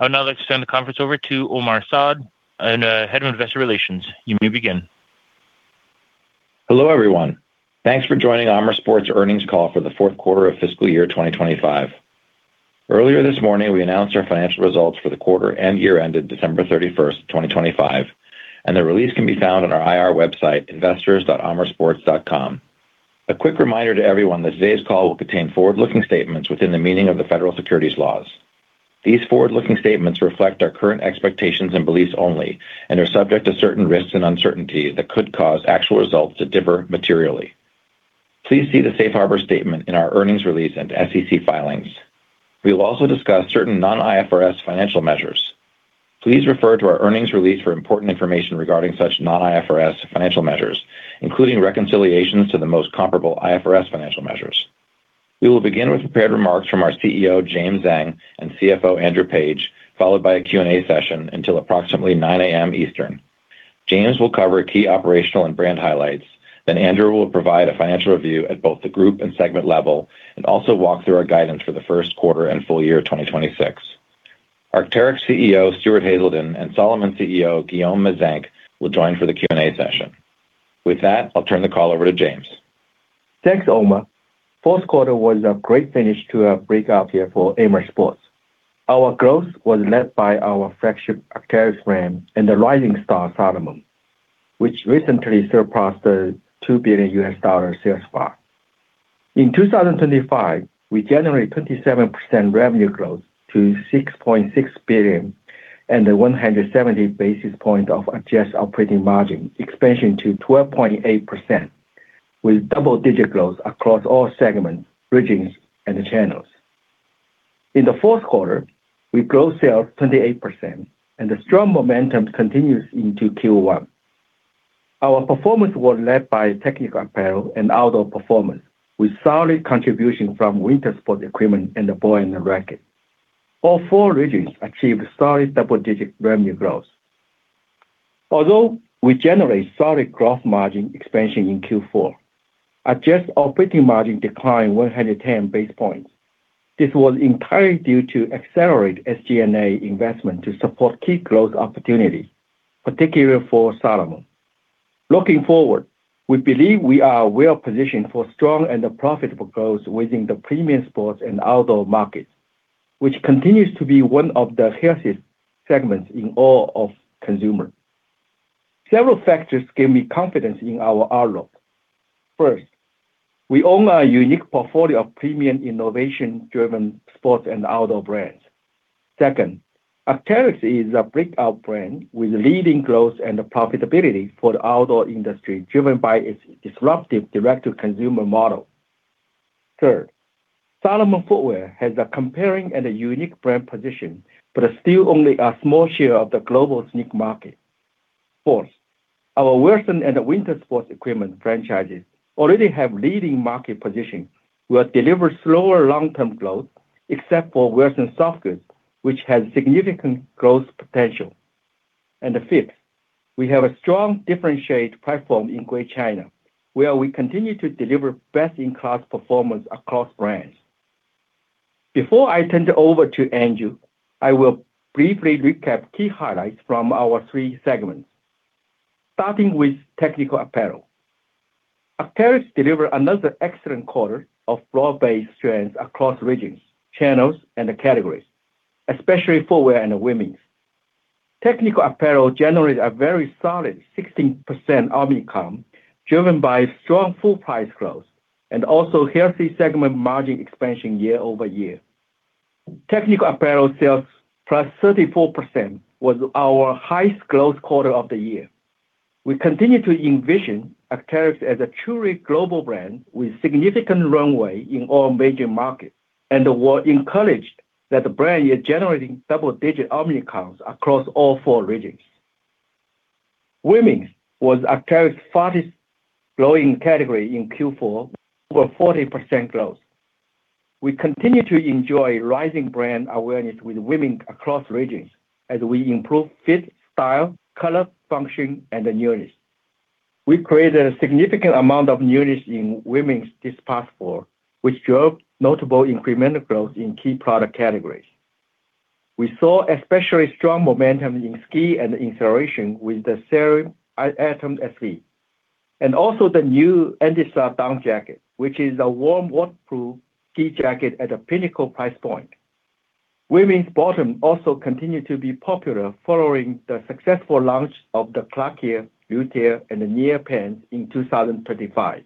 I would now like to turn the conference over to Omar Saad, and Head of Investor Relations. You may begin. Hello, everyone. Thanks for joining Amer Sports earnings call for the fourth quarter of fiscal year 2025. Earlier this morning, we announced our financial results for the quarter and year ended December 31st, 2025, and the release can be found on our IR website, investors.amersports.com. A quick reminder to everyone that today's call will contain forward-looking statements within the meaning of the federal securities laws. These forward-looking statements reflect our current expectations and beliefs only, and are subject to certain risks and uncertainties that could cause actual results to differ materially. Please see the safe harbor statement in our earnings release and SEC filings. We will also discuss certain non-IFRS financial measures. Please refer to our earnings release for important information regarding such non-IFRS financial measures, including reconciliations to the most comparable IFRS financial measures. We will begin with prepared remarks from our CEO, James Zheng, and CFO, Andrew Page, followed by a Q&A session until approximately 9:00 A.M. Eastern. James will cover key operational and brand highlights. Andrew will provide a financial review at both the group and segment level and also walk through our guidance for the first quarter and full year 2026. Arc'teryx CEO, Stuart Haselden, and Salomon CEO, Guillaume Meyzenq, will join for the Q&A session. With that, I'll turn the call over to James. Thanks, Omar. Fourth quarter was a great finish to a breakout year for Amer Sports. Our growth was led by our flagship Arc'teryx brand and the rising star, Salomon, which recently surpassed the $2 billion sales mark. In 2025, we generated 27% revenue growth to $6.6 billion and a 170 basis points of adjusted operating margin expansion to 12.8%, with double-digit growth across all segments, regions, and channels. In the fourth quarter, we grew sales 28%. The strong momentum continues into Q1. Our performance was led by Technical Apparel and Outdoor Performance, with solid contribution from Winter Sport Equipment and the Ball & Racquet. All four regions achieved solid double-digit revenue growth. Although we generate solid growth margin expansion in Q4, adjusted operating margin declined 110 basis points. This was entirely due to accelerated SG&A investment to support key growth opportunities, particularly for Salomon. Looking forward, we believe we are well positioned for strong and profitable growth within the premium sports and outdoor markets, which continues to be one of the healthiest segments in all of consumer. Several factors give me confidence in our outlook. First, we own a unique portfolio of premium, innovation-driven sports and outdoor brands. Second, Arc'teryx is a breakout brand with leading growth and profitability for the outdoor industry, driven by its disruptive direct-to-consumer model. Third, Salomon footwear has a comparing and a unique brand position, but is still only a small share of the global sneaker market. Fourth, our Wilson and winter sports equipment franchises already have leading market position, will deliver slower long-term growth, except for Wilson softgoods, which has significant growth potential. Fifth, we have a strong, differentiated platform in Greater China, where we continue to deliver best-in-class performance across brands. Before I turn it over to Andrew, I will briefly recap key highlights from our three segments. Starting with Technical Apparel. Arc'teryx delivered another excellent quarter of broad-based trends across regions, channels, and categories, especially footwear and women's. Technical Apparel generated a very solid 16% omni-comp, driven by strong full price growth and also healthy segment margin expansion year-over-year. Technical Apparel sales, +34%, was our highest growth quarter of the year. We continue to envision Arc'teryx as a truly global brand with significant runway in all major markets, and we're encouraged that the brand is generating double-digit omni-comps across all four regions. Women's was Arc'teryx's fastest-growing category in Q4, over 40% growth. We continue to enjoy rising brand awareness with women across regions as we improve fit, style, color, function, and newness. We created a significant amount of newness in women's this past fall, which drove notable incremental growth in key product categories. We saw especially strong momentum in ski and insulation with the Cerium Atom SL, and also the new Andessa Down Jacket, which is a warm, waterproof ski jacket at a pinnacle price point. Women's bottom also continued to be popular following the successful launch of the Clarke, Outeir, and the Neopant in 2025.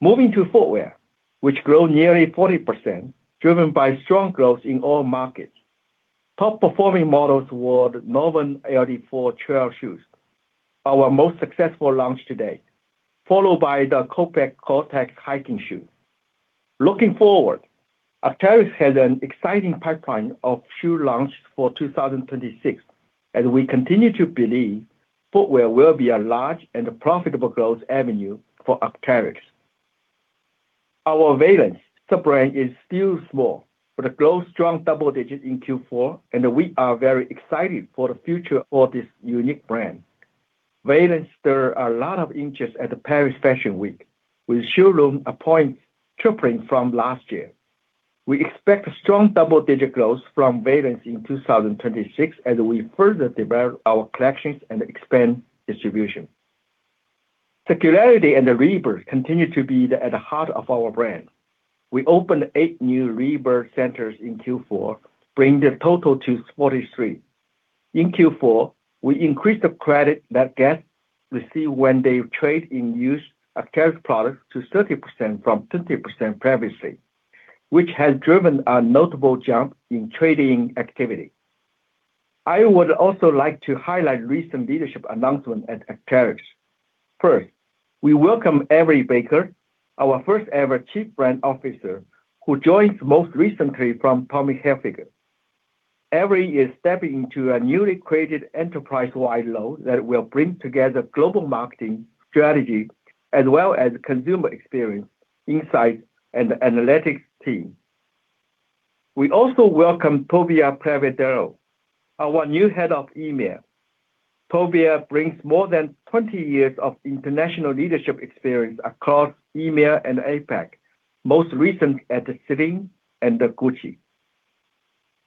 Moving to footwear, which grew nearly 40%, driven by strong growth in all markets. Top-performing models were Norvan LD 4 trail shoes, our most successful launch to date, followed by the Kopec Gore-Tex hiking shoe. Looking forward, Arc'teryx has an exciting pipeline of shoe launches for 2026, as we continue to believe footwear will be a large and profitable growth avenue for Arc'teryx. Our Veilance sub-brand is still small, but it grew strong double digits in Q4, and we are very excited for the future for this unique brand. Veilance stirred a lot of interest at the Paris Fashion Week, with showroom appointments tripling from last year. We expect strong double-digit growth from Veilance in 2026 as we further develop our collections and expand distribution. Circularity and rebirth continue to be at the heart of our brand. We opened 8 new rebirth centers in Q4, bringing the total to 43. In Q4, we increased the credit that guests receive when they trade in used Arc'teryx product to 30% from 20% previously, which has driven a notable jump in trading activity. I would also like to highlight recent leadership announcement at Arc'teryx. First, we welcome Avery Baker, our first-ever Chief Brand Officer, who joins most recently from Tommy Hilfiger. Avery is stepping into a newly created enterprise-wide role that will bring together global marketing strategy as well as consumer experience, insight, and analytics team. We also welcome Tobias Peveraro, our new Head of EMEA. Tobias brings more than 20 years of international leadership experience across EMEA and APAC, most recently at Celine and Gucci.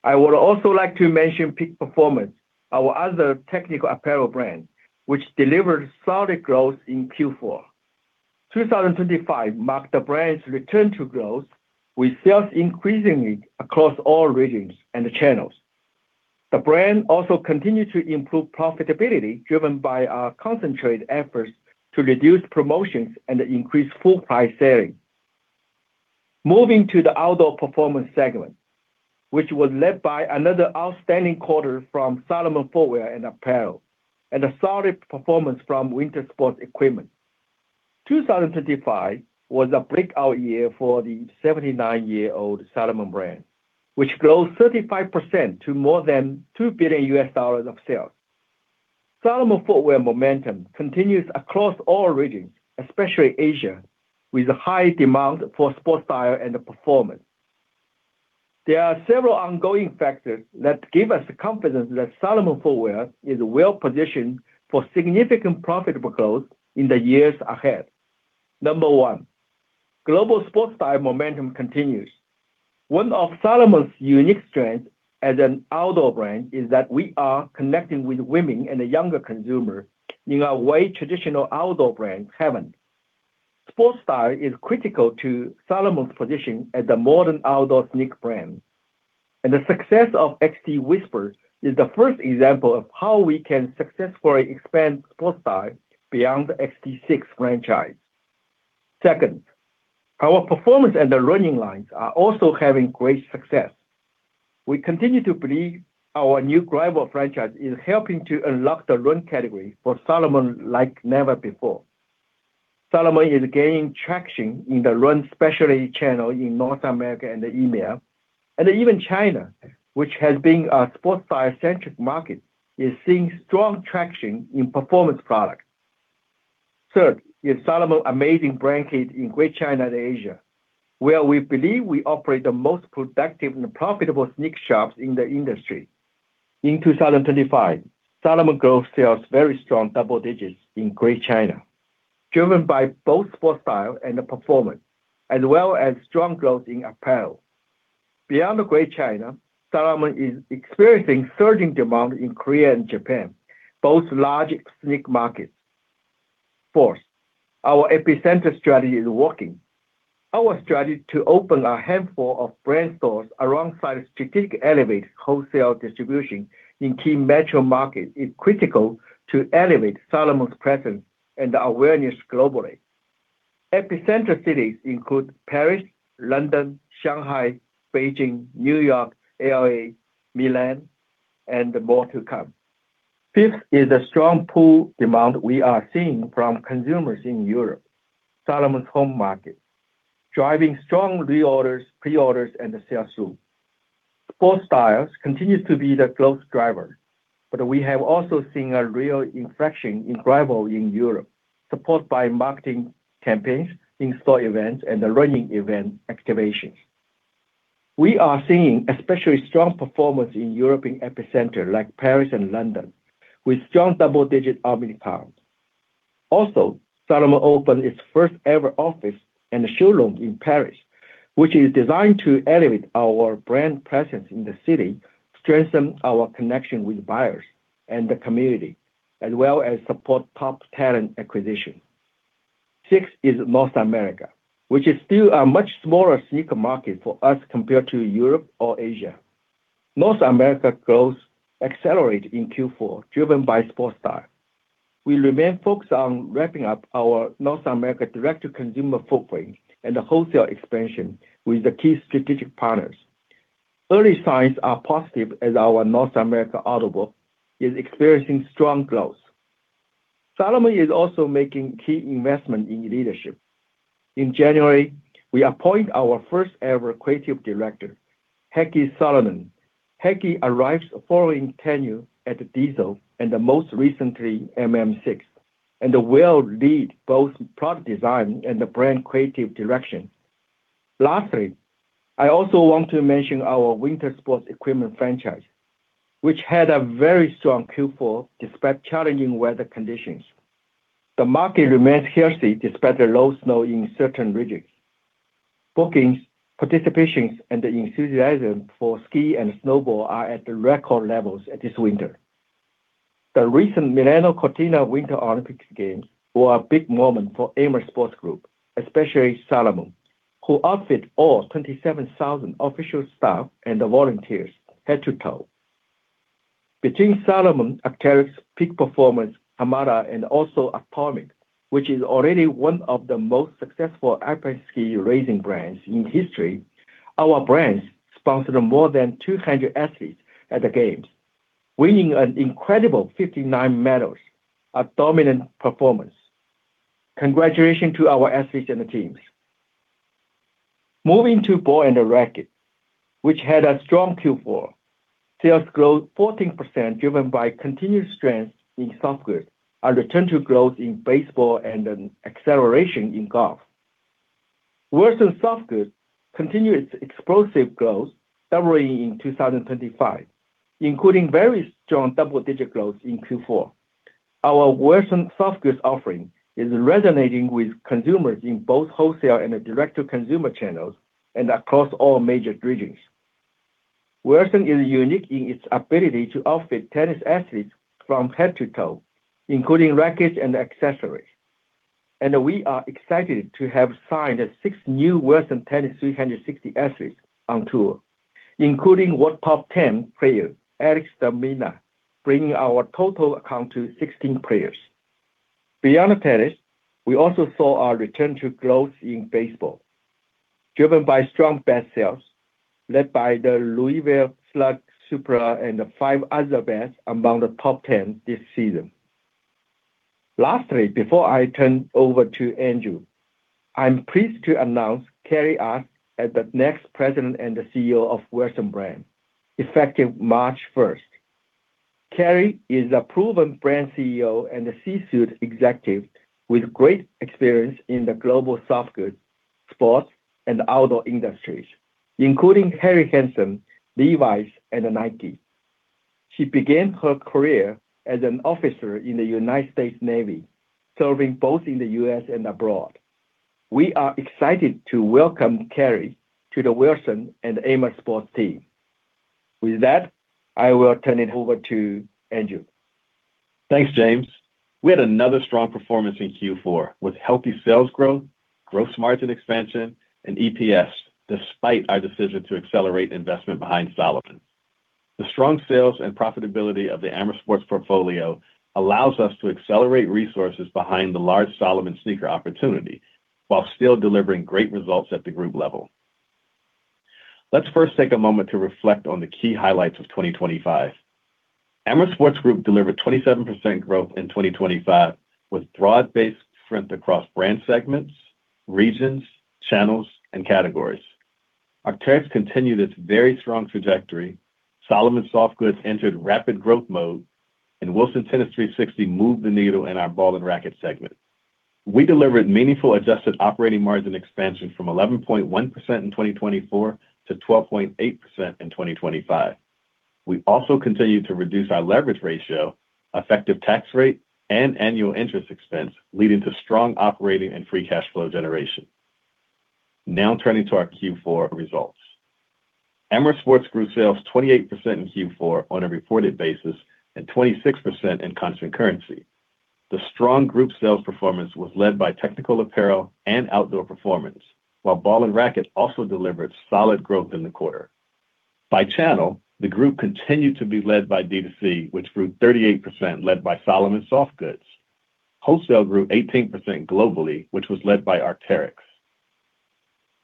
I would also like to mention Peak Performance, our other Technical Apparel brand, which delivered solid growth in Q4. 2025 marked the brand's return to growth, with sales increasing across all regions and channels. The brand also continued to improve profitability, driven by our concentrated efforts to reduce promotions and increase full price selling. Moving to the Outdoor Performance segment, which was led by another outstanding quarter from Salomon footwear and apparel, and a solid performance from winter sports e``quipment. 2025 was a breakout year for the 79-year-old Salomon brand, which grew 35% to more than $2 billion of sales. Salomon footwear momentum continues across all regions, especially Asia, with a high demand for sport style and performance. There are several ongoing factors that give us confidence that Salomon footwear is well-positioned for significant profitable growth in the years ahead. Number one, global sport style momentum continues. One of Salomon's unique strengths as an outdoor brand is that we are connecting with women and a younger consumer in a way traditional outdoor brands haven't. Sport style is critical to Salomon's position as a modern outdoor sneaker brand, and the success of XT-Whisper is the first example of how we can successfully expand sport style beyond the XT-6 franchise. Second, our performance and the running lines are also having great success. We continue to believe our new gravel franchise is helping to unlock the run category for Salomon like never before. Salomon is gaining traction in the run specialty channel in North America and EMEA, and even China, which has been a sport style-centric market, is seeing strong traction in performance products. Third, is Salomon amazing bracket in Greater China and Asia, where we believe we operate the most productive and profitable sneaker shops in the industry. In 2025, Salomon growth sales very strong double digits in Greater China, driven by both sport style and performance, as well as strong growth in apparel. Beyond Greater China, Salomon is experiencing surging demand in Korea and Japan, both large sneaker markets. Fourth, our epicenter strategy is working. Our strategy to open a handful of brand stores alongside strategic elevated wholesale distribution in key metro markets is critical to elevate Salomon's presence and awareness globally. Epicenter cities include Paris, London, Shanghai, Beijing, New York, L.A., Milan, and more to come. Fifth is the strong pull demand we are seeing from consumers in Europe, Salomon's home market, driving strong reorders, preorders, and sales through. Sport styles continues to be the growth driver, We have also seen a real inflection in gravel in Europe, supported by marketing campaigns, in-store events, and the running event activations. We are seeing especially strong performance in European epicenter like Paris and London, with strong double-digit omni-channel. Salomon opened its first-ever office and showroom in Paris, which is designed to elevate our brand presence in the city, strengthen our connection with buyers and the community, as well as support top talent acquisition. Sixth is North America, which is still a much smaller sneaker market for us compared to Europe or Asia. North America growth accelerated in Q4, driven by sport style. We remain focused on ramping up our North America direct-to-consumer footprint and the wholesale expansion with the key strategic partners. Early signs are positive as our North America Audible is experiencing strong growth. Salomon is also making key investment in leadership. In January, we appoint our first-ever creative director, Heikki Salonen. Hecky arrives following tenure at Diesel and most recently, MM6, and will lead both product design and the brand creative direction. Lastly, I also want to mention our winter sports equipment franchise, which had a very strong Q4, despite challenging weather conditions. The market remains healthy despite the low snow in certain regions. Bookings, participations, and the enthusiasm for ski and snowboard are at the record levels at this winter. The recent Milano Cortina Winter Olympics Games were a big moment for Amer Sports, especially Salomon, who outfit all 27,000 official staff and the volunteers head to toe. Between Salomon, Arc'teryx, Peak Performance, Armada, and also Atomic, which is already one of the most successful alpine ski racing brands in history, our brands sponsored more than 200 athletes at the games, winning an incredible 59 medals, a dominant performance. Congratulations to our athletes and the teams. Moving to Ball & Racquet, which had a strong Q4. Sales growth 14%, driven by continued strength in softgoods, a return to growth in baseball, and an acceleration in golf. Wilson softgoods continued its explosive growth, delivering in 2025, including very strong double-digit growth in Q4. Our Wilson softgoods offering is resonating with consumers in both wholesale and the direct-to-consumer channels, and across all major regions. Wilson is unique in its ability to outfit tennis athletes from head to toe, including racquets and accessories, and we are excited to have signed six new Wilson Tennis 360 athletes on tour, including world top 10 player, Alex de Minaur, bringing our total account to 16 players. Beyond tennis, we also saw our return to growth in baseball, driven by strong bat sales, led by the Louisville Slugger Supra and five other bats among the top 10 this season. Lastly, before I turn over to Andrew Page, I'm pleased to announce Carrie Ask as the next President and CEO of Wilson brand, effective March 1st. Carrie is a proven brand CEO and a C-suite executive with great experience in the global softgoods, sports, and outdoor industries, including Helly Hansen, Levi's, and Nike. She began her career as an officer in the United States Navy, serving both in the U.S. and abroad. We are excited to welcome Carrie to the Wilson and Amer Sports team. With that, I will turn it over to Andrew Page. Thanks, James. We had another strong performance in Q4 with healthy sales growth margin expansion, and EPS, despite our decision to accelerate investment behind Salomon. The strong sales and profitability of the Amer Sports portfolio allows us to accelerate resources behind the large Salomon sneaker opportunity, while still delivering great results at the group level. Let's first take a moment to reflect on the key highlights of 2025. Amer Sports Group delivered 27% growth in 2025, with broad-based strength across brand segments, regions, channels, and categories. Arc'teryx continued its very strong trajectory. Salomon softgoods entered rapid growth mode, and Wilson Tennis 360 moved the needle in our Ball & Racquet segment. We delivered meaningful adjusted operating margin expansion from 11.1% in 2024 to 12.8% in 2025. We also continued to reduce our leverage ratio, effective tax rate, and annual interest expense, leading to strong operating and free cash flow generation. Turning to our Q4 results. Amer Sports Group sales 28% in Q4 on a reported basis and 26% in constant currency. The strong group sales performance was led by Technical Apparel and Outdoor Performance, while Ball & Racquet also delivered solid growth in the quarter. By channel, the group continued to be led by D2C, which grew 38%, led by Salomon softgoods. Wholesale grew 18% globally, which was led by Arc'teryx.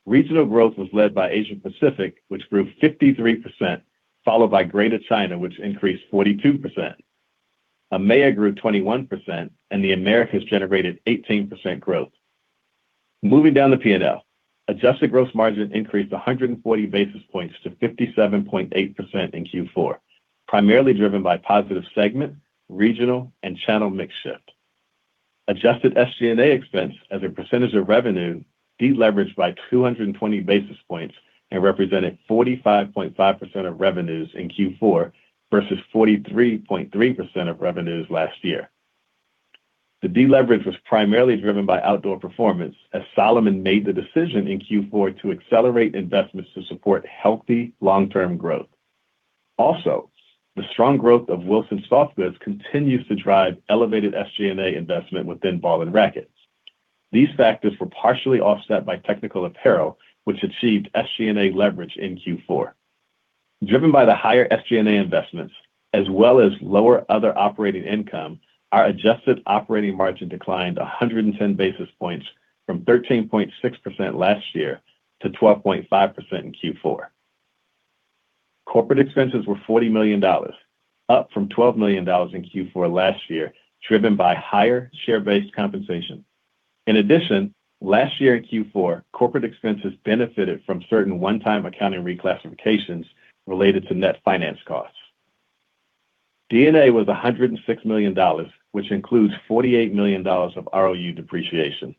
Regional growth was led by Asia Pacific, which grew 53%, followed by Greater China, which increased 42%. EMEA grew 21%, the Americas generated 18% growth. Moving down the P&L. Adjusted gross margin increased 140 basis points to 57.8% in Q4, primarily driven by positive segment, regional, and channel mix shift. Adjusted SG&A expense as a percentage of revenue, deleveraged by 220 basis points and represented 45.5% of revenues in Q4 versus 43.3% of revenues last year. The deleverage was primarily driven by Outdoor Performance, as Salomon made the decision in Q4 to accelerate investments to support healthy long-term growth. The strong growth of Wilson softgoods continues to drive elevated SG&A investment within Ball & Racquets. These factors were partially offset by Technical Apparel, which achieved SG&A leverage in Q4. Driven by the higher SG&A investments as well as lower other operating income, our adjusted operating margin declined 110 basis points from 13.6% last year to 12.5% in Q4. Corporate expenses were $40 million, up from $12 million in Q4 last year, driven by higher share-based compensation. In addition, last year in Q4, corporate expenses benefited from certain one-time accounting reclassifications related to net finance costs. D&A was $106 million, which includes $48 million of ROU depreciation.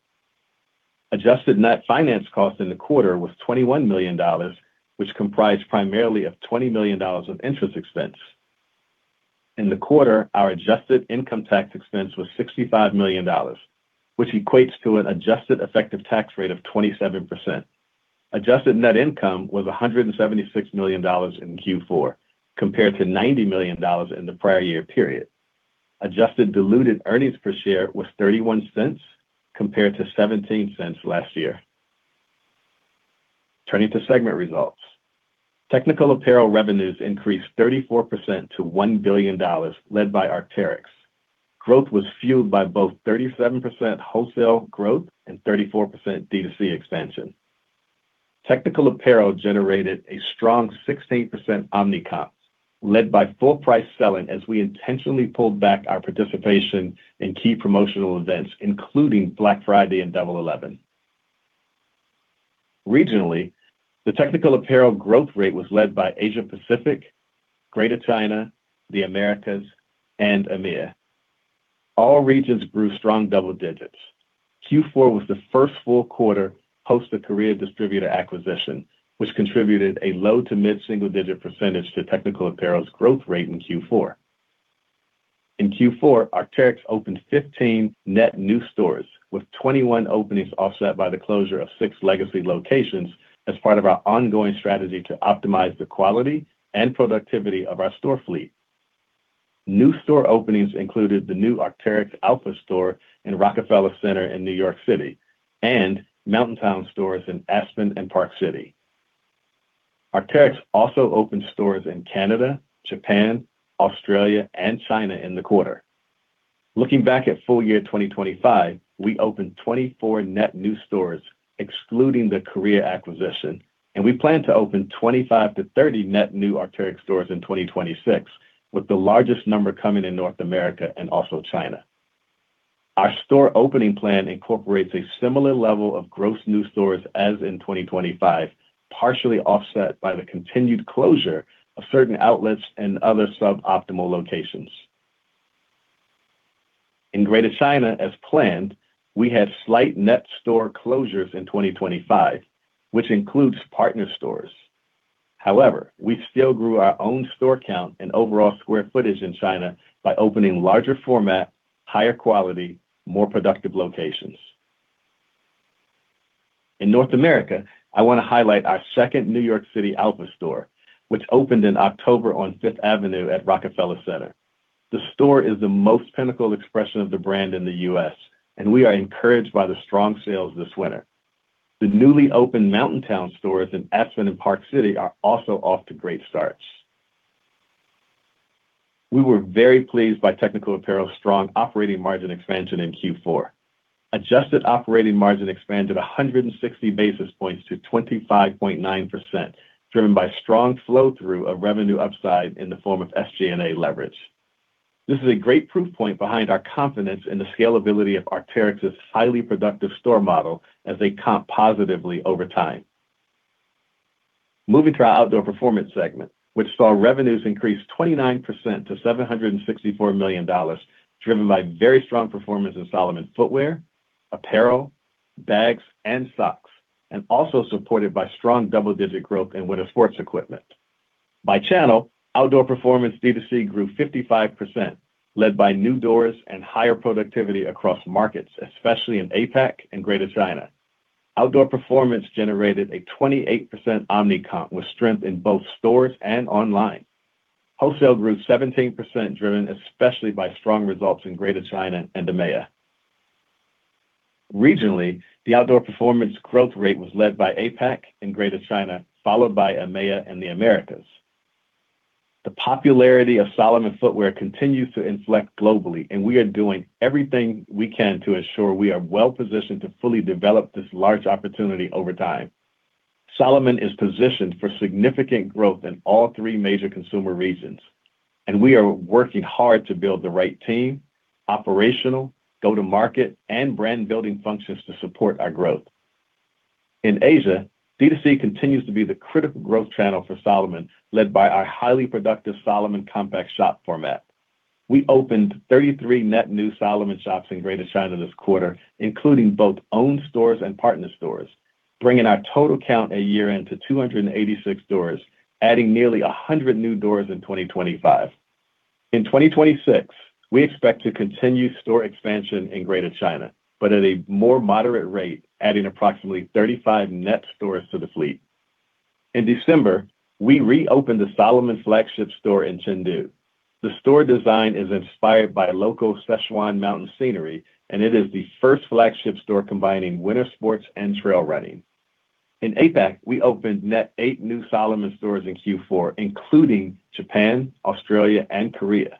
Adjusted net finance cost in the quarter was $21 million, which comprised primarily of $20 million of interest expense. In the quarter, our adjusted income tax expense was $65 million, which equates to an adjusted effective tax rate of 27%. Adjusted net income was $176 million in Q4, compared to $90 million in the prior year period. Adjusted diluted earnings per share was $0.31, compared to $0.17 last year. Turning to segment results. Technical Apparel revenues increased 34% to $1 billion, led by Arc'teryx. Growth was fueled by both 37% wholesale growth and 34% D2C expansion. Technical Apparel generated a strong 16% omni-comp, led by full price selling, as we intentionally pulled back our participation in key promotional events, including Black Friday and Double Eleven. Regionally, the Technical Apparel growth rate was led by Asia Pacific, Greater China, the Americas and EMEA. All regions grew strong double digits. Q4 was the first full quarter post the career distributor acquisition, which contributed a low to mid-single-digit percent to Technical Apparel's growth rate in Q4. In Q4, Arc'teryx opened 15 net new stores, with 21 openings, offset by the closure of 6 legacy locations as part of our ongoing strategy to optimize the quality and productivity of our store fleet. New store openings included the new Arc'teryx Alpha Store in Rockefeller Center in New York City and Mountain Town stores in Aspen and Park City. Arc'teryx also opened stores in Canada, Japan, Australia and China in the quarter. Looking back at full year 2025, we opened 24 net new stores, excluding the career acquisition, and we plan to open 25-30 net new Arc'teryx stores in 2026, with the largest number coming in North America and also China. Our store opening plan incorporates a similar level of gross new stores as in 2025, partially offset by the continued closure of certain outlets and other suboptimal locations. In Greater China, as planned, we had slight net store closures in 2025, which includes partner stores. However, we still grew our own store count and overall square footage in China by opening larger format, higher quality, more productive locations. In North America, I want to highlight our second New York City Alpha store, which opened in October on Fifth Avenue at Rockefeller Center. The store is the most pinnacle expression of the brand in the U.S., and we are encouraged by the strong sales this winter. The newly opened Mountain Town stores in Aspen and Park City are also off to great starts. We were very pleased by Technical Apparel's strong operating margin expansion in Q4. Adjusted operating margin expanded 160 basis points to 25.9%, driven by strong flow-through of revenue upside in the form of SG&A leverage. This is a great proof point behind our confidence in the scalability of Arc'teryx's highly productive store model as they comp positively over time. Moving to our Outdoor Performance segment, which saw revenues increase 29% to $764 million, driven by very strong performance in Salomon footwear, apparel, bags, and socks, and also supported by strong double-digit growth in winter sports equipment. By channel, Outdoor Performance D2C grew 55%, led by new doors and higher productivity across markets, especially in APAC and Greater China. Outdoor Performance generated a 28% omnicomp, with strength in both stores and online. Wholesale grew 17%, driven especially by strong results in Greater China and EMEA. Regionally, the Outdoor Performance growth rate was led by APAC and Greater China, followed by EMEA and the Americas. The popularity of Salomon footwear continues to inflect globally, and we are doing everything we can to ensure we are well positioned to fully develop this large opportunity over time. Salomon is positioned for significant growth in all three major consumer regions, and we are working hard to build the right team, operational, go-to-market, and brand building functions to support our growth. In Asia, D2C continues to be the critical growth channel for Salomon, led by our highly productive Salomon compact shop format. We opened 33 net new Salomon shops in Greater China this quarter, including both owned stores and partner stores, bringing our total count a year in to 286 stores, adding nearly 100 new stores in 2025. In 2026, we expect to continue store expansion in Greater China, but at a more moderate rate, adding approximately 35 net stores to the fleet. In December, we reopened the Salomon flagship store in Chengdu. The store design is inspired by local Sichuan mountain scenery, and it is the first flagship store combining winter sports and trail running. In APAC, we opened net eight new Salomon stores in Q4, including Japan, Australia and Korea.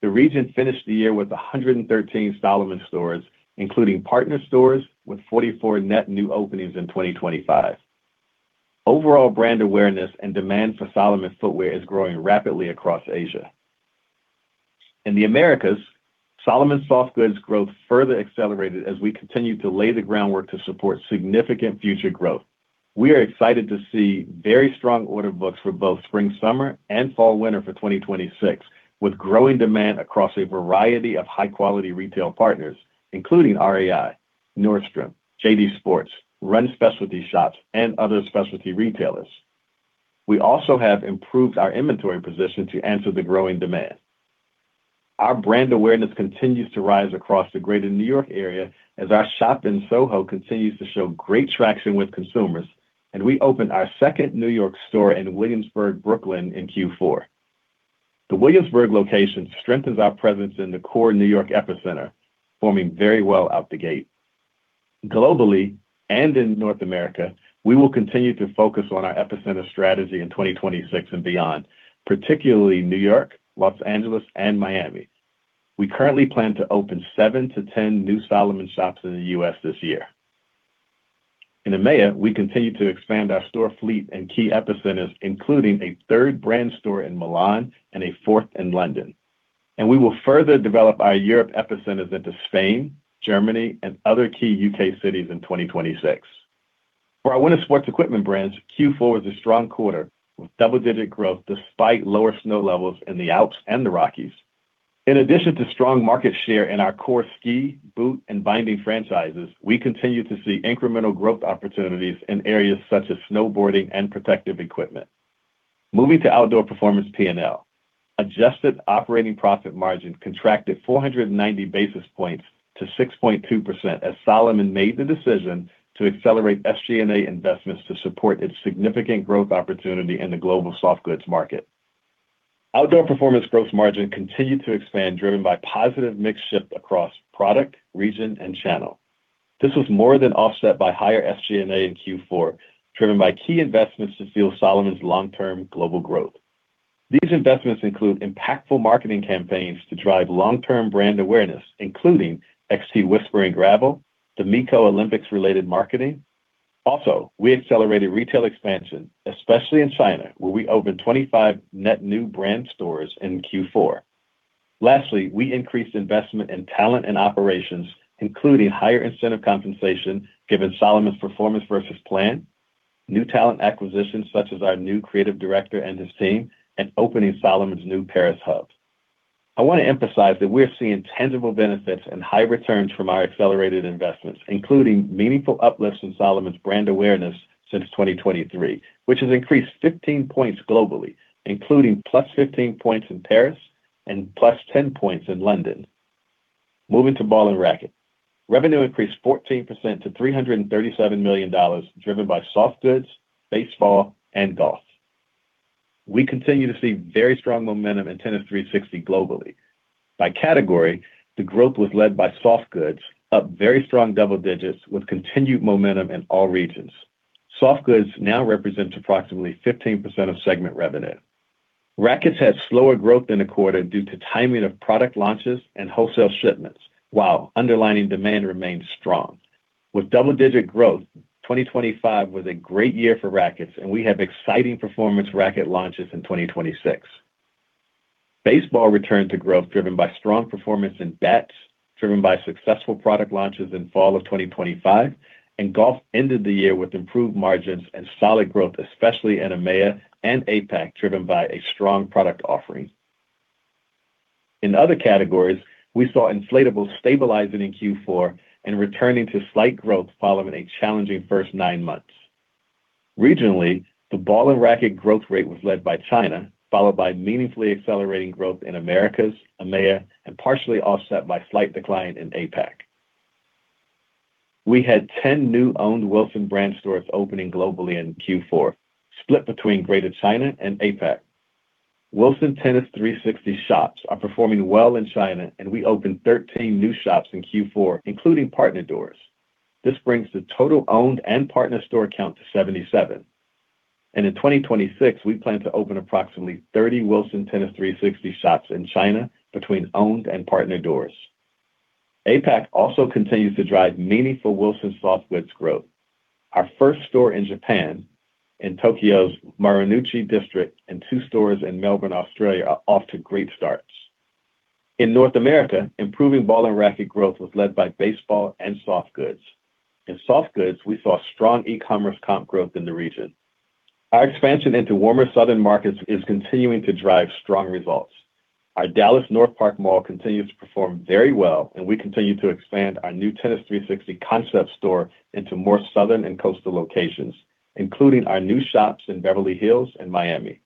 The region finished the year with 113 Salomon stores, including partner stores, with 44 net new openings in 2025. Overall brand awareness and demand for Salomon footwear is growing rapidly across Asia. In the Americas, Salomon softgoods growth further accelerated as we continued to lay the groundwork to support significant future growth. We are excited to see very strong order books for both spring/summer and fall/winter for 2026, with growing demand across a variety of high-quality retail partners, including REI, Nordstrom, JD Sports, Run Specialty Shops, and other specialty retailers. We also have improved our inventory position to answer the growing demand. Our brand awareness continues to rise across the greater New York area as our shop in Soho continues to show great traction with consumers, and we opened our second New York store in Williamsburg, Brooklyn, in Q4. The Williamsburg location strengthens our presence in the core New York epicenter, performing very well out the gate. Globally and in North America, we will continue to focus on our epicenter strategy in 2026 and beyond, particularly New York, Los Angeles, and Miami. We currently plan to open 7-10 new Salomon shops in the U.S. this year. In EMEA, we continue to expand our store fleet and key epicenters, including a third brand store in Milan and a fourth in London. We will further develop our Europe epicenters into Spain, Germany, and other key U.K. cities in 2026. For our winter sports equipment brands, Q4 was a strong quarter, with double-digit growth despite lower snow levels in the Alps and the Rockies. In addition to strong market share in our core ski, boot, and binding franchises, we continue to see incremental growth opportunities in areas such as snowboarding and protective equipment. Moving to Outdoor Performance P&L. Adjusted operating profit margin contracted 490 basis points to 6.2% as Salomon made the decision to accelerate SG&A investments to support its significant growth opportunity in the global softgoods market. Outdoor Performance growth margin continued to expand, driven by positive mix shift across product, region, and channel. This was more than offset by higher SG&A in Q4, driven by key investments to fuel Salomon's long-term global growth. These investments include impactful marketing campaigns to drive long-term brand awareness, including XT-Whisper and Gravel, the MiCo Olympics-related marketing. We accelerated retail expansion, especially in China, where we opened 25 net new brand stores in Q4. We increased investment in talent and operations, including higher incentive compensation, given Salomon's performance versus plan, new talent acquisitions such as our new creative director and his team, and opening Salomon's new Paris hub. I want to emphasize that we're seeing tangible benefits and high returns from our accelerated investments, including meaningful uplifts in Salomon's brand awareness since 2023, which has increased 15 points globally, including +15 points in Paris and +10 points in London. Moving to Ball & Racquet. Revenue increased 14% to $337 million, driven by softgoods, baseball, and golf. We continue to see very strong momentum in Tennis 360 globally. By category, the growth was led by softgoods, up very strong double digits with continued momentum in all regions. Softgoods now represents approximately 15% of segment revenue. Racquets had slower growth in the quarter due to timing of product launches and wholesale shipments, while underlining demand remained strong. With double-digit growth, 2025 was a great year for racquets, and we have exciting performance racquet launches in 2026. Baseball returned to growth, driven by strong performance in bats, driven by successful product launches in fall of 2025, and golf ended the year with improved margins and solid growth, especially in EMEA and APAC, driven by a strong product offering. In other categories, we saw inflatables stabilizing in Q4 and returning to slight growth following a challenging first nine months. Regionally, the Ball & Racquet growth rate was led by China, followed by meaningfully accelerating growth in Americas, EMEA, and partially offset by slight decline in APAC. We had 10 new owned Wilson brand stores opening globally in Q4, split between Greater China and APAC. Wilson Tennis 360 shops are performing well in China. We opened 13 new shops in Q4, including partner doors. This brings the total owned and partner store count to 77. In 2026, we plan to open approximately 30 Wilson Tennis 360 shops in China between owned and partner doors. APAC also continues to drive meaningful Wilson softgoods growth. Our first store in Japan, in Tokyo's Marunouchi district and two stores in Melbourne, Australia, are off to great starts. In North America, improving Ball & Racquet growth was led by baseball and softgoods. In softgoods, we saw strong e-commerce comp growth in the region. Our expansion into warmer southern markets is continuing to drive strong results. Our Dallas North Park Mall continues to perform very well, and we continue to expand our new Tennis 360 concept store into more southern and coastal locations, including our new shops in Beverly Hills and Miami.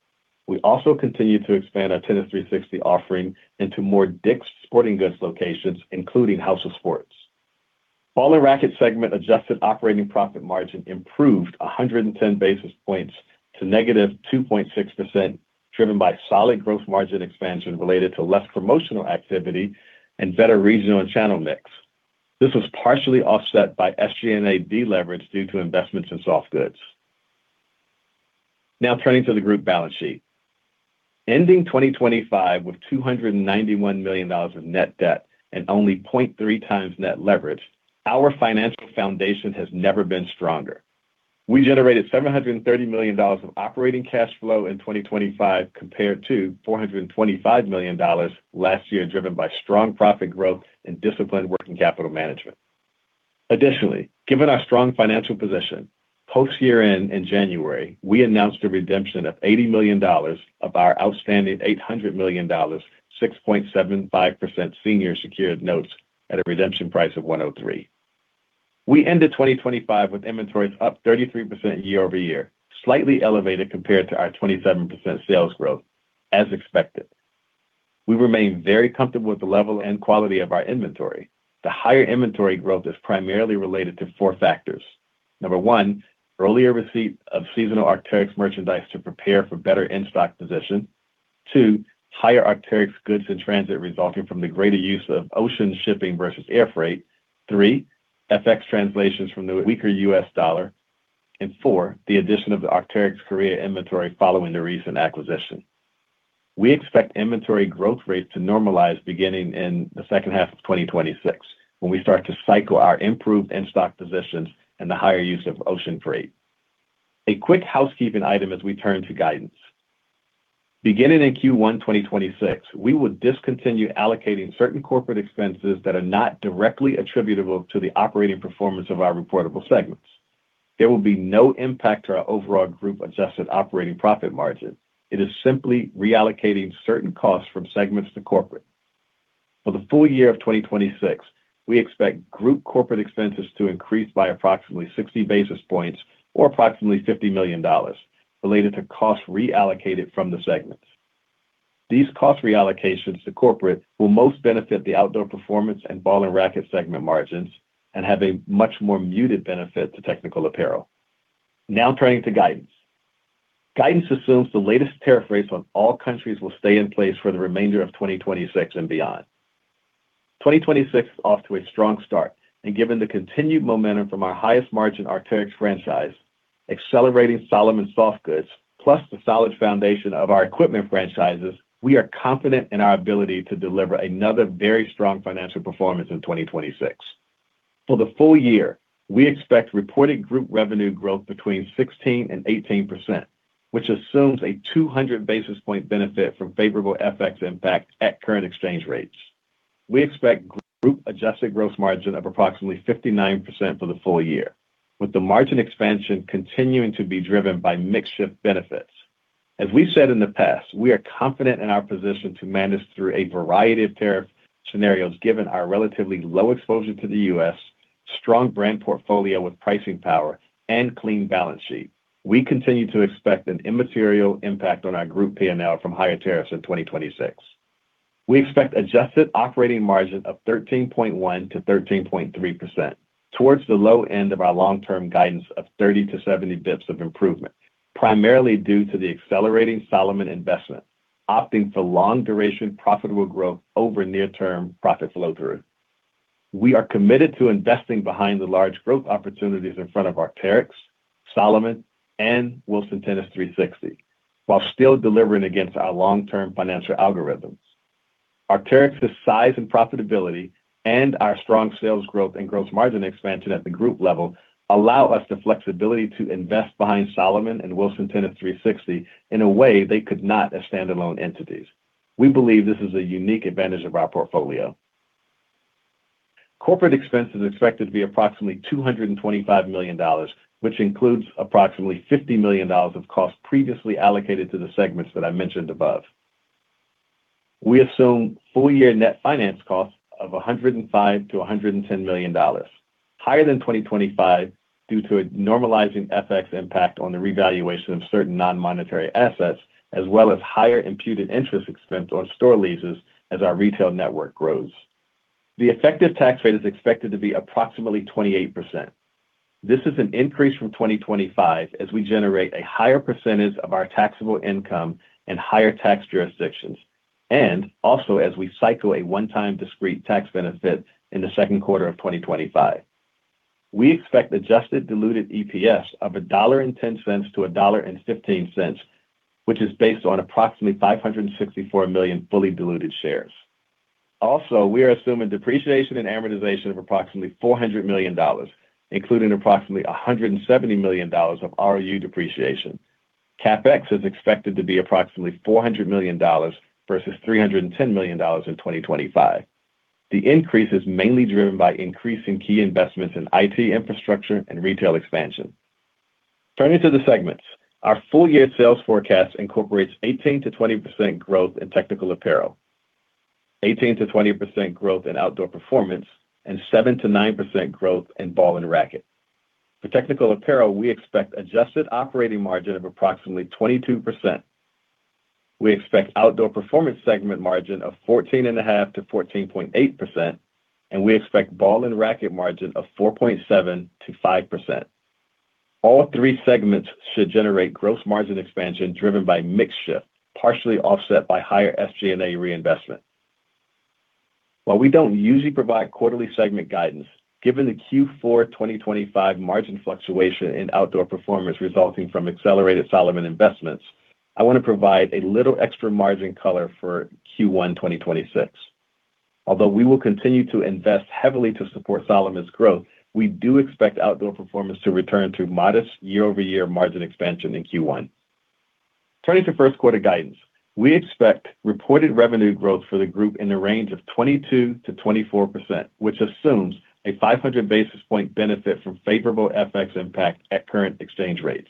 We also continue to expand our Tennis 360 offering into more Dick's Sporting Goods locations, including House of Sport. Ball & Racquet segment adjusted operating profit margin improved 110 basis points to -2.6%, driven by solid growth margin expansion related to less promotional activity and better regional and channel mix. This was partially offset by SG&A deleverage due to investments in softgoods. Now, turning to the group balance sheet. Ending 2025 with $291 million of net debt and only 0.3 times net leverage, our financial foundation has never been stronger. We generated $730 million of operating cash flow in 2025, compared to $425 million last year, driven by strong profit growth and disciplined working capital management. Additionally, given our strong financial position, post-year-end in January, we announced a redemption of $80 million of our outstanding $800 million, 6.75% senior secured notes at a redemption price of $103 million. We ended 2025 with inventories up 33% year-over-year, slightly elevated compared to our 27% sales growth as expected. We remain very comfortable with the level and quality of our inventory. The higher inventory growth is primarily related to four factors. One, earlier receipt of seasonal Arc'teryx merchandise to prepare for better in-stock position. Two, higher Arc'teryx goods in transit resulting from the greater use of ocean shipping versus air freight. Three, FX translations from the weaker U.S. dollar. Four, the addition of the Arc'teryx Korea inventory following the recent acquisition. We expect inventory growth rates to normalize beginning in the second half of 2026, when we start to cycle our improved in-stock positions and the higher use of ocean freight. A quick housekeeping item as we turn to guidance. Beginning in Q1 2026, we will discontinue allocating certain corporate expenses that are not directly attributable to the operating performance of our reportable segments. There will be no impact to our overall group adjusted operating profit margin. It is simply reallocating certain costs from segments to corporate. For the full year of 2026, we expect group corporate expenses to increase by approximately 60 basis points or approximately $50 million related to costs reallocated from the segments. These cost reallocations to corporate will most benefit the Outdoor Performance and Ball & Racquet segment margins and have a much more muted benefit to Technical Apparel. Turning to guidance. Guidance assumes the latest tariff rates on all countries will stay in place for the remainder of 2026 and beyond. 2026 is off to a strong start, and given the continued momentum from our highest margin Arc'teryx franchise, accelerating Salomon softgoods, plus the solid foundation of our equipment franchises, we are confident in our ability to deliver another very strong financial performance in 2026. For the full year, we expect reported group revenue growth between 16% and 18%, which assumes a 200 basis point benefit from favorable FX impact at current exchange rates. We expect group adjusted gross margin of approximately 59% for the full year, with the margin expansion continuing to be driven by mix shift benefits. As we've said in the past, we are confident in our position to manage through a variety of tariff scenarios, given our relatively low exposure to the U.S., strong brand portfolio with pricing power, and clean balance sheet. We continue to expect an immaterial impact on our group P&L from higher tariffs in 2026. We expect adjusted operating margin of 13.1%-13.3%, towards the low end of our long-term guidance of 30-70 basis points of improvement, primarily due to the accelerating Salomon investment, opting for long-duration, profitable growth over near-term profit flow-through. We are committed to investing behind the large growth opportunities in front of Arc'teryx, Salomon, and Wilson Tennis 360, while still delivering against our long-term financial algorithms. Arc'teryx's size and profitability and our strong sales growth and gross margin expansion at the group level allow us the flexibility to invest behind Salomon and Wilson Tennis 360 in a way they could not as standalone entities. We believe this is a unique advantage of our portfolio. Corporate expense is expected to be approximately $225 million, which includes approximately $50 million of costs previously allocated to the segments that I mentioned above. We assume full-year net finance costs of $105 million-$110 million, higher than 2025 due to a normalizing FX impact on the revaluation of certain non-monetary assets, as well as higher imputed interest expense on store leases as our retail network grows. The effective tax rate is expected to be approximately 28%. This is an increase from 2025 as we generate a higher percentage of our taxable income in higher tax jurisdictions, and also as we cycle a one-time discrete tax benefit in the second quarter of 2025. We expect adjusted diluted EPS of $1.10-$1.15, which is based on approximately 564 million fully diluted shares. Also, we are assuming depreciation and amortization of approximately $400 million, including approximately $170 million of ROU depreciation. CapEx is expected to be approximately $400 million versus $310 million in 2025. The increase is mainly driven by increasing key investments in IT infrastructure and retail expansion. Turning to the segments, our full-year sales forecast incorporates 18%-20% growth in Technical Apparel, 18%-20% growth in Outdoor Performancee, and 7%-9% growth in Ball & Racquet. For Technical Apparel, we expect adjusted operating margin of approximately 22%. We expect Outdoor Performance segment margin of 14.5%-14.8%, and we expect Ball & Racquet margin of 4.7%-5%. All three segments should generate gross margin expansion driven by mix shift, partially offset by higher SG&A reinvestment. While we don't usually provide quarterly segment guidance, given the Q4 2025 margin fluctuation in Outdoor Performance resulting from accelerated Salomon investments, I want to provide a little extra margin color for Q1 2026. We will continue to invest heavily to support Salomon's growth, we do expect Outdoor Performance to return to modest year-over-year margin expansion in Q1. Turning to first quarter guidance, we expect reported revenue growth for the group in the range of 22%-24%, which assumes a 500 basis point benefit from favorable FX impact at current exchange rates.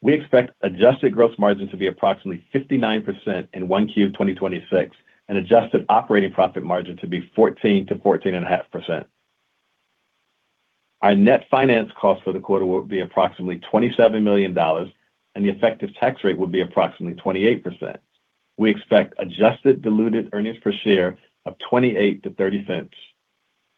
We expect adjusted gross margin to be approximately 59% in 1Q 2026, and adjusted operating profit margin to be 14%-14.5%. Our net finance cost for the quarter will be approximately $27 million, and the effective tax rate will be approximately 28%. We expect adjusted diluted earnings per share of $0.28-$0.30.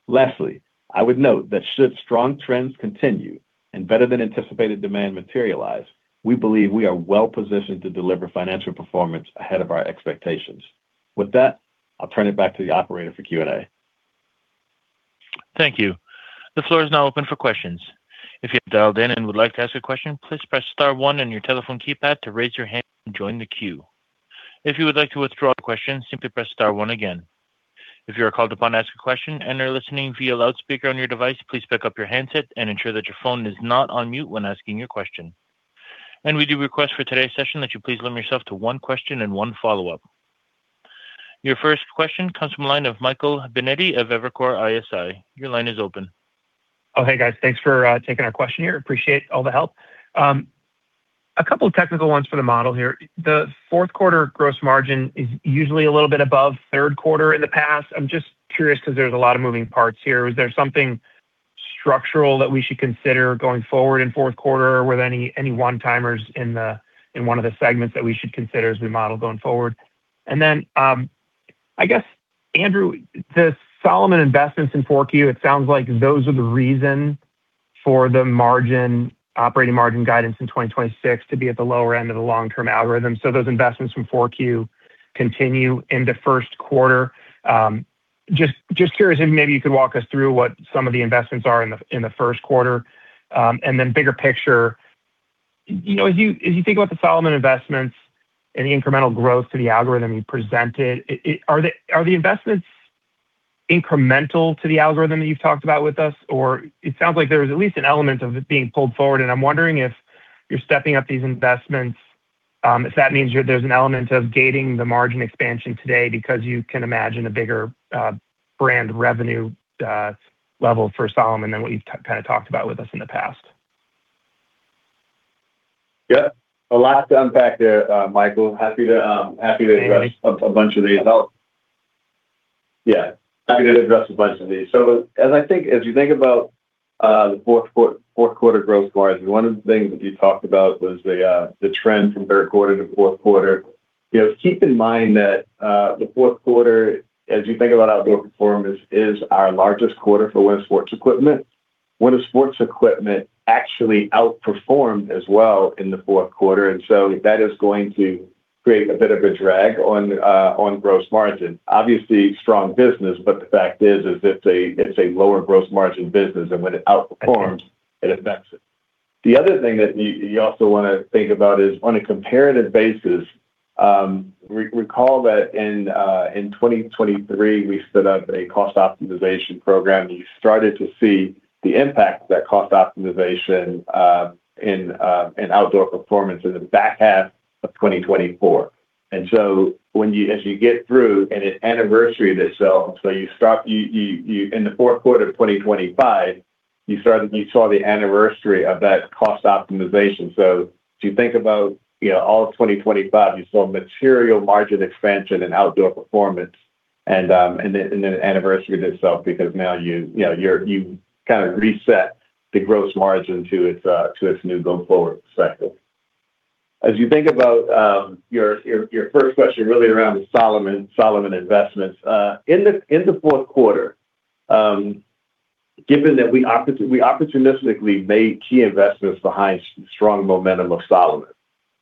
Lastly, I would note that should strong trends continue and better than anticipated demand materialize, we believe we are well positioned to deliver financial performance ahead of our expectations. With that, I'll turn it back to the operator for Q&A. Thank you. The floor is now open for questions. If you have dialed in and would like to ask a question, please press star one on your telephone keypad to raise your hand and join the queue. If you would like to withdraw a question, simply press star one again. If you are called upon to ask a question and are listening via loudspeaker on your device, please pick up your handset and ensure that your phone is not on mute when asking your question. We do request for today's session that you please limit yourself to one question and one follow-up. Your first question comes from the line of Michael Binetti of Evercore ISI. Your line is open. Hey, guys. Thanks for taking our question here. Appreciate all the help. A couple of technical ones for the model here. The fourth quarter gross margin is usually a little bit above third quarter in the past. I'm just curious because there's a lot of moving parts here. Is there something structural that we should consider going forward in fourth quarter or with any one-timers in one of the segments that we should consider as we model going forward? I guess, Andrew, the Salomon investments in 4Q, it sounds like those are the reason for the margin, operating margin guidance in 2026 to be at the lower end of the long-term algorithm. Those investments from 4Q continue into first quarter. Just curious if maybe you could walk us through what some of the investments are in the first quarter? Bigger picture, you know, as you think about the Salomon investments and the incremental growth to the algorithm you presented, are the investments incremental to the algorithm that you've talked about with us? Or it sounds like there is at least an element of it being pulled forward, and I'm wondering if you're stepping up these investments, if that means there's an element of gating the margin expansion today because you can imagine a bigger brand revenue level for Salomon than what you've kind of talked about with us in the past? Yeah. A lot to unpack there, Michael. Happy to... Thanks... a bunch of these. Yeah, happy to address a bunch of these. As I think, as you think about the fourth quarter gross margin, one of the things that you talked about was the trend from third quarter to fourth quarter. You know, keep in mind that the fourth quarter, as you think about Outdoor Performance, is our largest quarter for winter sports equipment. Winter sports equipment actually outperformed as well in the fourth quarter, that is going to create a bit of a drag on gross margin. Obviously, strong business, but the fact is it's a, it's a lower gross margin business, and when it outperforms, it affects it. The other thing that you also want to think about is on a comparative basis, recall that in 2023, we set up a cost optimization program. You started to see the impact of that cost optimization in Outdoor Performance in the back half of 2024. As you get through, and it anniversary this itself, you in the fourth quarter of 2025, you saw the anniversary of that cost optimization. If you think about, you know, all of 2025, you saw material margin expansion and Outdoor Performance and then it anniversary itself because now you know, you kind of reset the gross margin to its new going forward cycle. As you think about your first question really around Salomon investments in the fourth quarter, given that we opportunistically made key investments behind strong momentum of Salomon.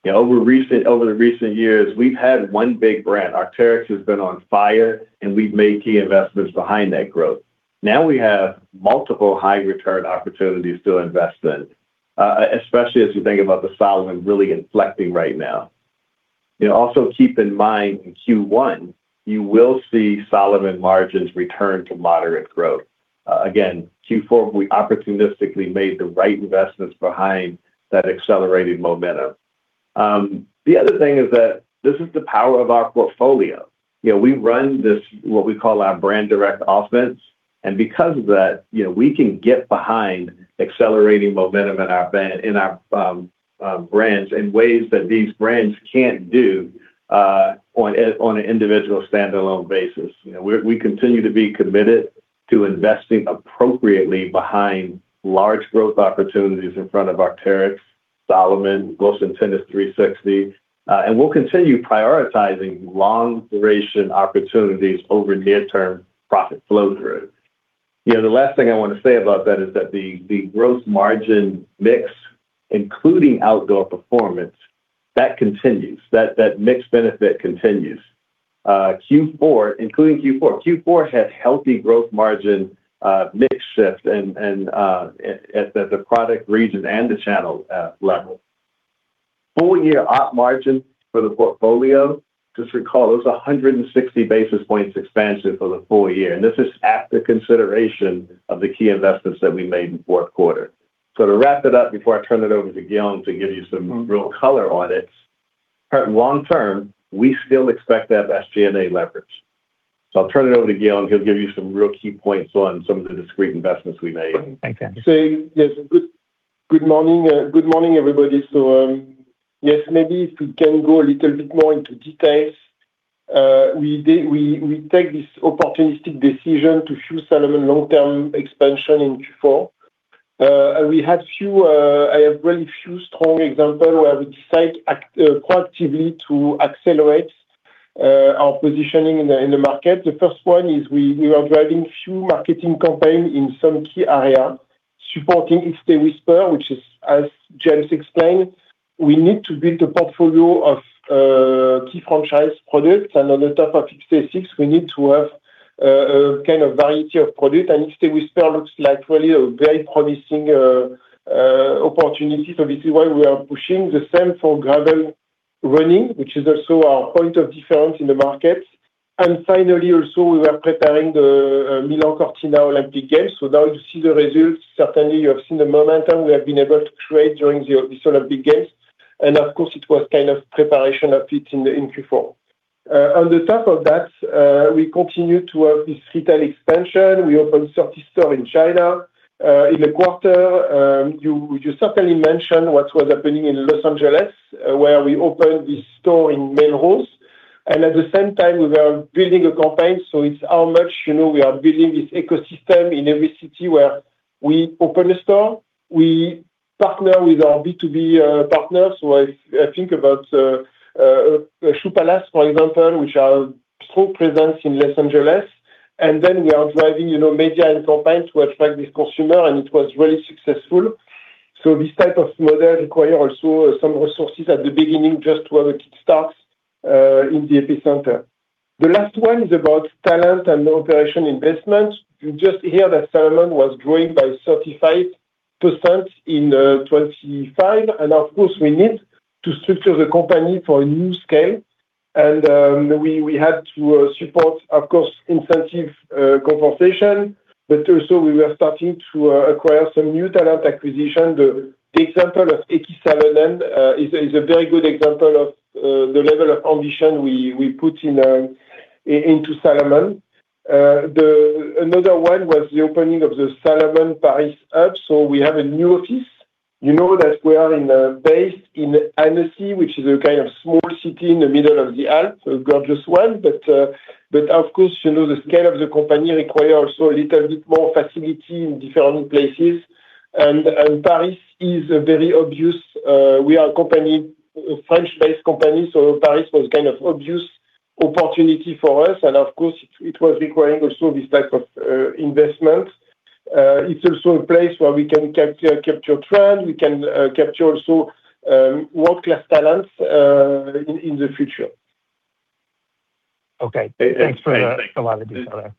You know, over the recent years, we've had one big brand. Arc'teryx has been on fire, and we've made key investments behind that growth. Now we have multiple high return opportunities to invest in, especially as you think about the Salomon really inflecting right now. You know, also keep in mind, in Q1, you will see Salomon margins return to moderate growth. Again, Q4, we opportunistically made the right investments behind that accelerated momentum. The other thing is that this is the power of our portfolio. You know, we run this, what we call our brand-direct operating model, and because of that, you know, we can get behind accelerating momentum in our brand, in our brands in ways that these brands can't do on an individual standalone basis. You know, we're, we continue to be committed to investing appropriately behind large growth opportunities in front of Arc'teryx, Salomon, Wilson Tennis 360, and we'll continue prioritizing long-duration opportunities over near-term profit flow-through. You know, the last thing I want to say about that is that the gross margin mix, including Outdoor Performance, that continues, that mix benefit continues. Q4, including Q4. Q4 had healthy growth margin mix shift and at the product region and the channel level. Full year op margin for the portfolio, just recall, it was 160 basis points expansion for the full year, and this is after consideration of the key investments that we made in fourth quarter. To wrap it up before I turn it over to Guillaume to give you some real color on it, long term, we still expect to have SG&A leverage. I'll turn it over to Guillaume, he'll give you some real key points on some of the discrete investments we made. Thanks, James. Good, good morning. Good morning, everybody. Yes, maybe if we can go a little bit more into details. We take this opportunistic decision to fuel Salomon long-term expansion in Q4. We had few, I have really few strong example, where we decide act proactively to accelerate our positioning in the market. The first one is we are driving few marketing campaign in some key areas, supporting XT-Whisper, which is, as James explained, we need to build a portfolio of key franchise products. And on the top of XT-6, we need to have a kind of variety of products, and XT-Whisper looks like really a very promising opportunity. This is why we are pushing the same for Gravel Running, which is also our point of difference in the market. Finally, also, we are preparing the Milano Cortina Olympic Games. Now you see the results. Certainly, you have seen the momentum we have been able to create during the sort of big games, and of course, it was kind of preparation of it in Q4. On the top of that, we continue to have this retail expansion. We opened 30 store in China in the quarter. You certainly mentioned what was happening in Los Angeles, where we opened this store in Melrose, and at the same time, we were building a campaign. It's how much, you know, we are building this ecosystem in every city where we open a store. We partner with our B2B partners, if think about Shoe Palace, for example, which are strong presence in Los Angeles, and then we are driving, you know, media and campaigns to attract this consumer, and it was really successful. This type of model require also some resources at the beginning just to have a kickstart in the epicenter. The last one is about talent and operation investments. You just hear that Salomon was growing by 35% in 2025, and of course, we need to structure the company for a new scale. We, we had to support, of course, incentive compensation, but also we were starting to acquire some new talent acquisition. The example of Ski Salomon is a very good example of the level of ambition we put into Salomon. Another one was the opening of the Salomon Paris hub. We have a new office, you know that we are in a base in Annecy, which is a kind of small city in the middle of the Alps, a gorgeous one. But of course, you know, the scale of the company require also a little bit more facility in different places. Paris is a very obvious, we are a company, a French-based company, Paris was kind of obvious opportunity for us, and of course, it was requiring also this type of investment. It's also a place where we can capture trend, we can capture also world-class talents in the future. Okay. Thanks for a lot of detail.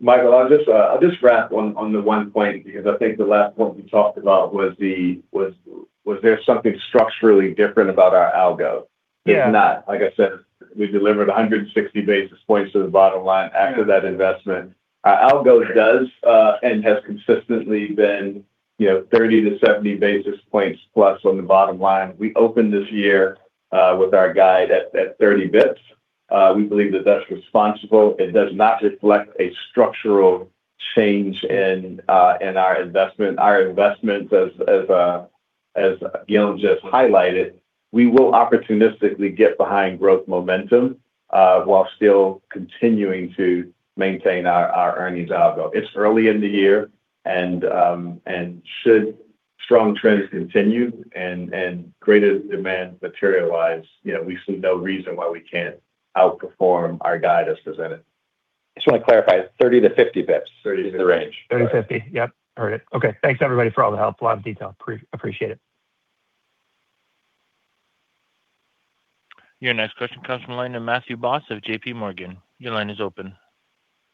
Michael, I'll just wrap on the one point, because I think the last point we talked about was there something structurally different about our algo? Yeah. Like I said, we delivered 160 basis points to the bottom line after that investment. Our algo does and has consistently been, you know, 30 to 70 basis points plus on the bottom line. We opened this year with our guide at 30 bps. We believe that that's responsible. It does not reflect a structural change in our investment. Our investments as Guillaume just highlighted, we will opportunistically get behind growth momentum while still continuing to maintain our earnings algo. It's early in the year, should strong trends continue and greater demand materialize, you know, we see no reason why we can't outperform our guide as presented. I just want to clarify: 30-50 basis points? 30-50. The range. 30 to 50. Yep, heard it. Okay, thanks, everybody, for all the help. A lot of detail. Appreciate it. Your next question comes from the line of Matthew Boss of JPMorgan. Your line is open.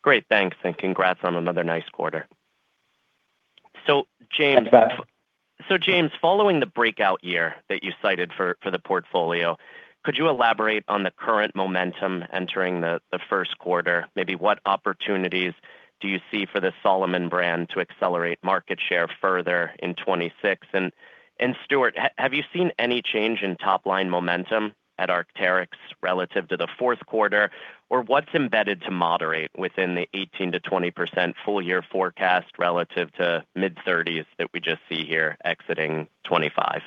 Great, thanks, and congrats on another nice quarter. James- Thanks, Matt. James, following the breakout year that you cited for the portfolio, could you elaborate on the current momentum entering the first quarter? Maybe what opportunities do you see for the Salomon brand to accelerate market share further in 2026? Stuart, have you seen any change in top-line momentum at Arc'teryx relative to the fourth quarter? Or what's embedded to moderate within the 18%-20% full year forecast relative to mid-30s that we just see here exiting 2025?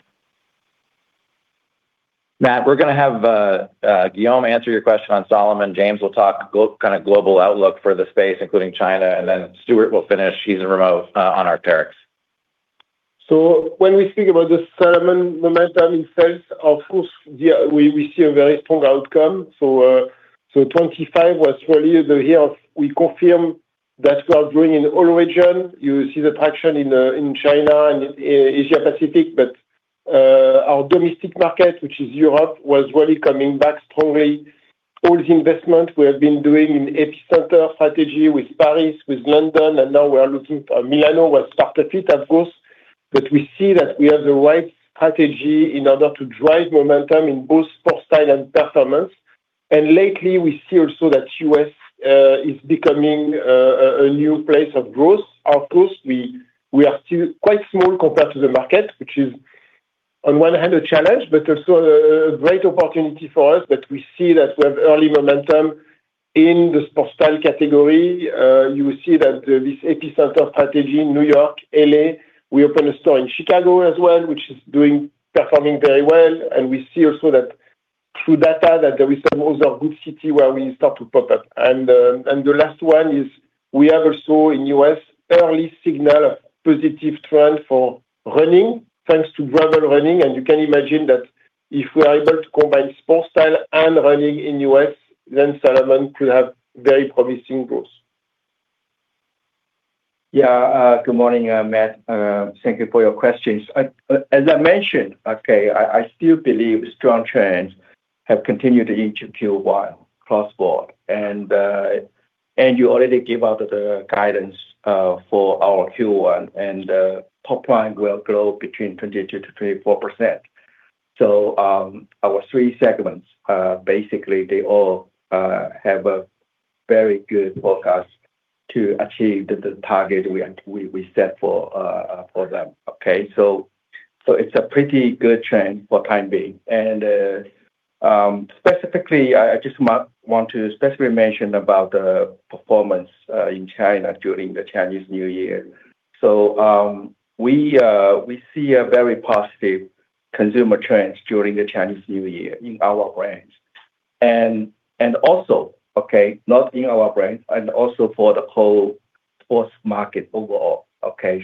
Matt, we're gonna have Guillaume answer your question on Salomon. James will talk kind of global outlook for the space, including China, and then Stuart will finish. He's in remote on Arc'teryx. When we think about the Salomon momentum in sales, of course, yeah, we see a very strong outcome. 2025 was really the year we confirm that we are growing in all region. You see the traction in China and in Asia Pacific, our domestic market, which is Europe, was really coming back strongly. All the investment we have been doing in epicenter strategy with Paris, with London, and now we are looking for Milano, where started it, of course. We see that we have the right strategy in order to drive momentum in both sport style and performance. Lately, we see also that U.S. is becoming a new place of growth. Of course, we are still quite small compared to the market, which is on one hand, a challenge, but also a great opportunity for us. We see that we have early momentum in the sport style category. You see that, this epicenter strategy in New York, L.A., we opened a store in Chicago as well, which is performing very well. We see also that through data, that there is also a good city where we start to pop up. The last one is we have also in U.S., early signal, a positive trend for running, thanks to Gravel Running. You can imagine that if we are able to combine sport style and running in U.S., then Salomon could have very promising growth. Yeah, good morning, Matt. Thank you for your questions. As I mentioned, okay, I still believe strong trends have continued each Q1 cross board. You already give out the guidance for our Q1, and top line will grow between 22%-24%. Our three segments, basically, they all have a very good forecast to achieve the target we set for them, okay? It's a pretty good trend for time being. Specifically, I just want to specifically mention about the performance in China during the Chinese New Year. We see a very positive consumer trends during the Chinese New Year in our brands. Also, okay, not in our brands, and also for the whole sports market overall, okay.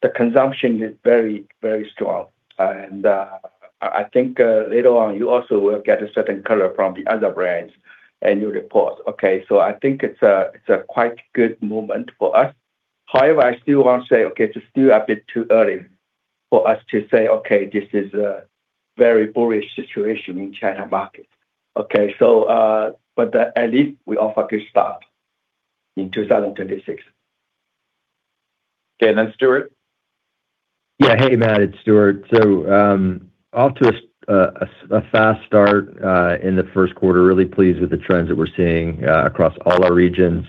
The consumption is very, very strong. I think later on, you also will get a certain color from the other brands and your report, okay. I think it's a quite good moment for us. However, I still want to say, okay, it's still a bit too early for us to say, "Okay, this is a very bullish situation in China market." Okay, but, at least we are off a good start in 2026. Okay, Stuart. Yeah. Hey, Matt, it's Stuart. Off to a fast start in the first quarter. Really pleased with the trends that we're seeing across all our regions.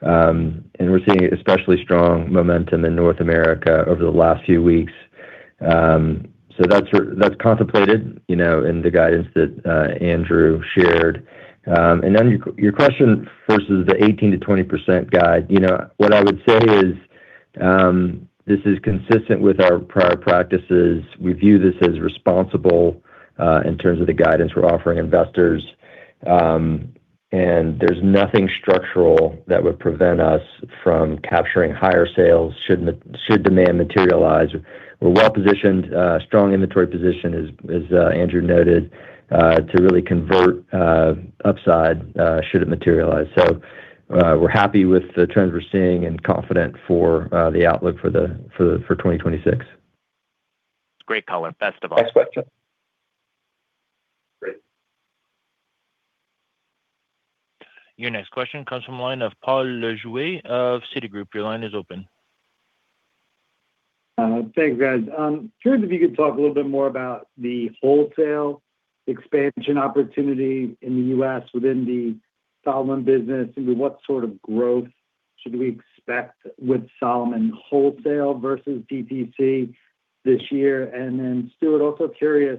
We're seeing especially strong momentum in North America over the last few weeks. That's contemplated, you know, in the guidance that Andrew shared. Then your question versus the 18%-20% guide, you know, what I would say is, this is consistent with our prior practices. We view this as responsible in terms of the guidance we're offering investors. There's nothing structural that would prevent us from capturing higher sales, should demand materialize. We're well positioned. Strong inventory position, as Andrew noted, to really convert upside should it materialize. We're happy with the trends we're seeing and confident for the outlook for 2026. Great color. Best of luck. Next question. Great. Your next question comes from the line of Paul Lejuez of Citigroup. Your line is open. Thanks, guys. Curious if you could talk a little bit more about the wholesale expansion opportunity in the U.S. within the Salomon business, what sort of growth should we expect with Salomon wholesale versus DTC this year? Stuart, also curious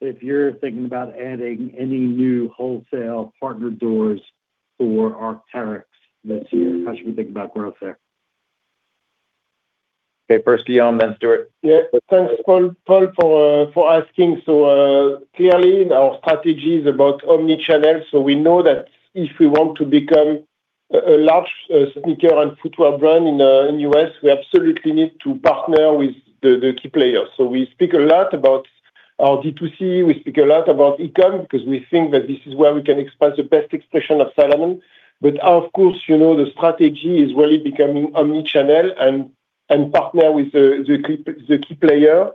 if you're thinking about adding any new wholesale partner doors for Arc'teryx this year, how should we think about growth there? Okay, first, Guillaume, then Stuart. Thanks, Paul, for asking. Clearly, our strategy is about omni-channel, so we know that if we want to become a large sneaker and footwear brand in the U.S., we absolutely need to partner with the key players. We speak a lot about our D2C, we speak a lot about e-com, because we think that this is where we can expand the best expression of Salomon. Of course, you know, the strategy is really becoming omni-channel and partner with the key player.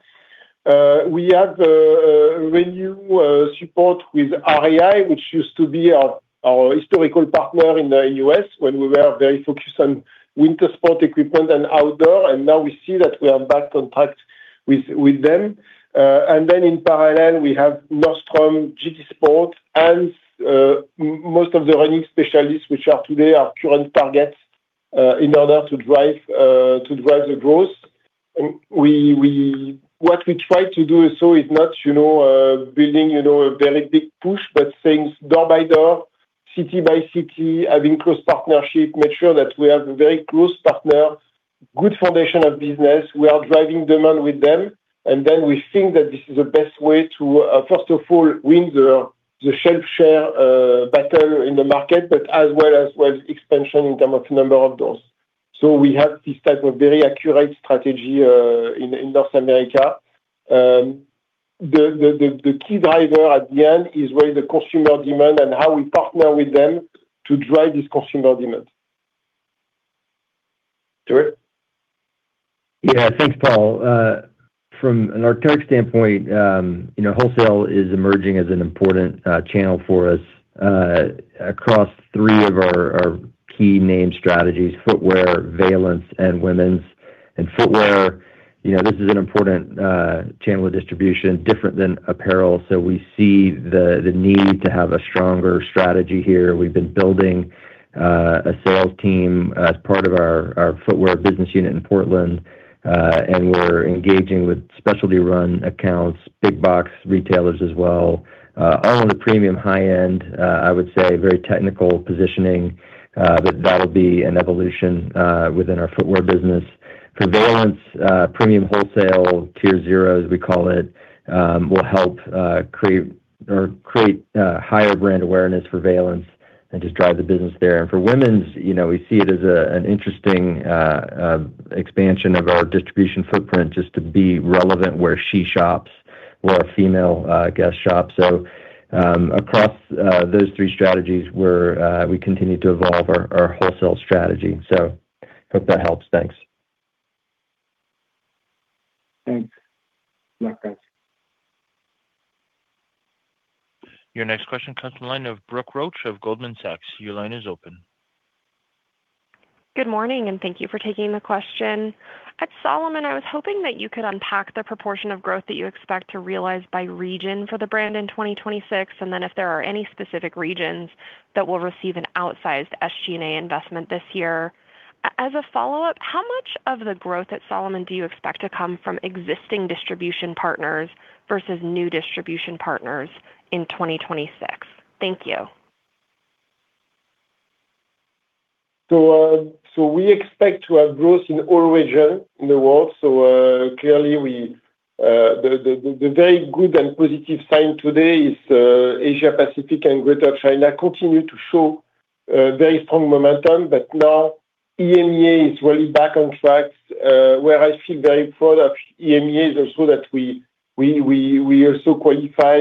We have a renew support with REI, which used to be our historical partner in the U.S. when we were very focused on winter sport equipment and outdoor, and now we see that we are back on track with them. In parallel, we have Nordstrom, JD Sports, and most of the running specialists, which are today our current targets, in order to drive, to drive the growth. What we try to do so is not, you know, building, you know, a very big push, but things door by door, city by city, having close partnership, make sure that we have a very close partner, good foundation of business. We are driving demand with them, and then we think that this is the best way to, first of all, win the shelf share, battle in the market, but as well as, well, expansion in terms of number of doors. We have this type of very accurate strategy, in North America. The key driver at the end is really the consumer demand and how we partner with them to drive this consumer demand. Stuart? Yeah, thanks, Paul. From an Arc'teryx standpoint, you know, wholesale is emerging as an important channel for us across three of our key name strategies: footwear, Veilance, and women's. In footwear, you know, this is an important channel of distribution, different than apparel. We see the need to have a stronger strategy here. We've been building a sales team as part of our footwear business unit in Portland, and we're engaging with specialty run accounts, big box retailers as well, all on the premium high end, I would say very technical positioning, but that'll be an evolution within our footwear business. For Veilance, premium wholesale, Tier Zero, as we call it, will help create higher brand awareness for Veilance and just drive the business there. For women's, you know, we see it as an interesting expansion of our distribution footprint, just to be relevant where she shops or a female guest shops. Across those three strategies we continue to evolve our wholesale strategy. Hope that helps. Thanks. Thanks. Your next question comes from the line of Brooke Roach of Goldman Sachs. Your line is open. Good morning, and thank you for taking the question. At Salomon, I was hoping that you could unpack the proportion of growth that you expect to realize by region for the brand in 2026, and then if there are any specific regions that will receive an outsized SG&A investment this year. As a follow-up, how much of the growth at Salomon do you expect to come from existing distribution partners versus new distribution partners in 2026? Thank you. We expect to have growth in all region in the world. Clearly, we the very good and positive sign today is Asia Pacific and Greater China continue to show very strong momentum, but now EMEA is really back on track, where I feel very proud. EMEA is also that we also qualify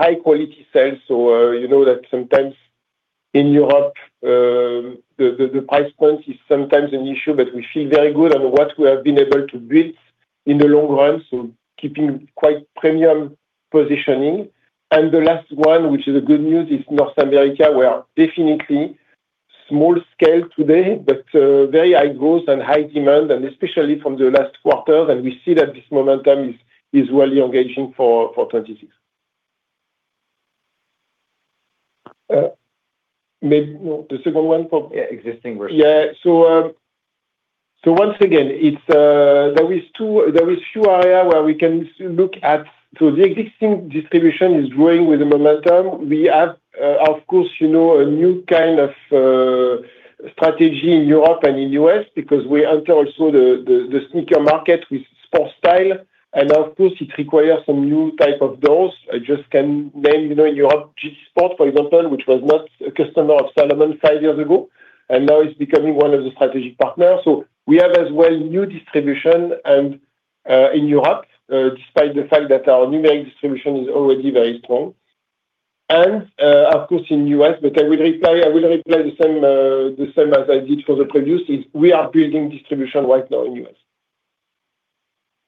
high quality sales. You know that sometimes in Europe, the price point is sometimes an issue, but we feel very good on what we have been able to build in the long run, so keeping quite premium positioning. The last one, which is a good news, is North America, where definitely small scale today, but very high growth and high demand, and especially from the last quarter, and we see that this momentum is really engaging for 2026. Well, the second one for? Yeah, existing version. Yeah, once again, it's there is two area where we can look at. The existing distribution is growing with the momentum. We have, of course, you know, a new kind of strategy in Europe and in the U.S. because we enter also the sneaker market with sport style, of course, it requires some new type of doors. I just can name, you know, in Europe, JD Sports, for example, which was not a customer of Salomon five years ago, now it's becoming one of the strategic partners. We have as well new distribution, in Europe, despite the fact that our new distribution is already very strong. Of course, in the U.S., I will replay the same, the same as I did for the previous. We are building distribution right now in U.S.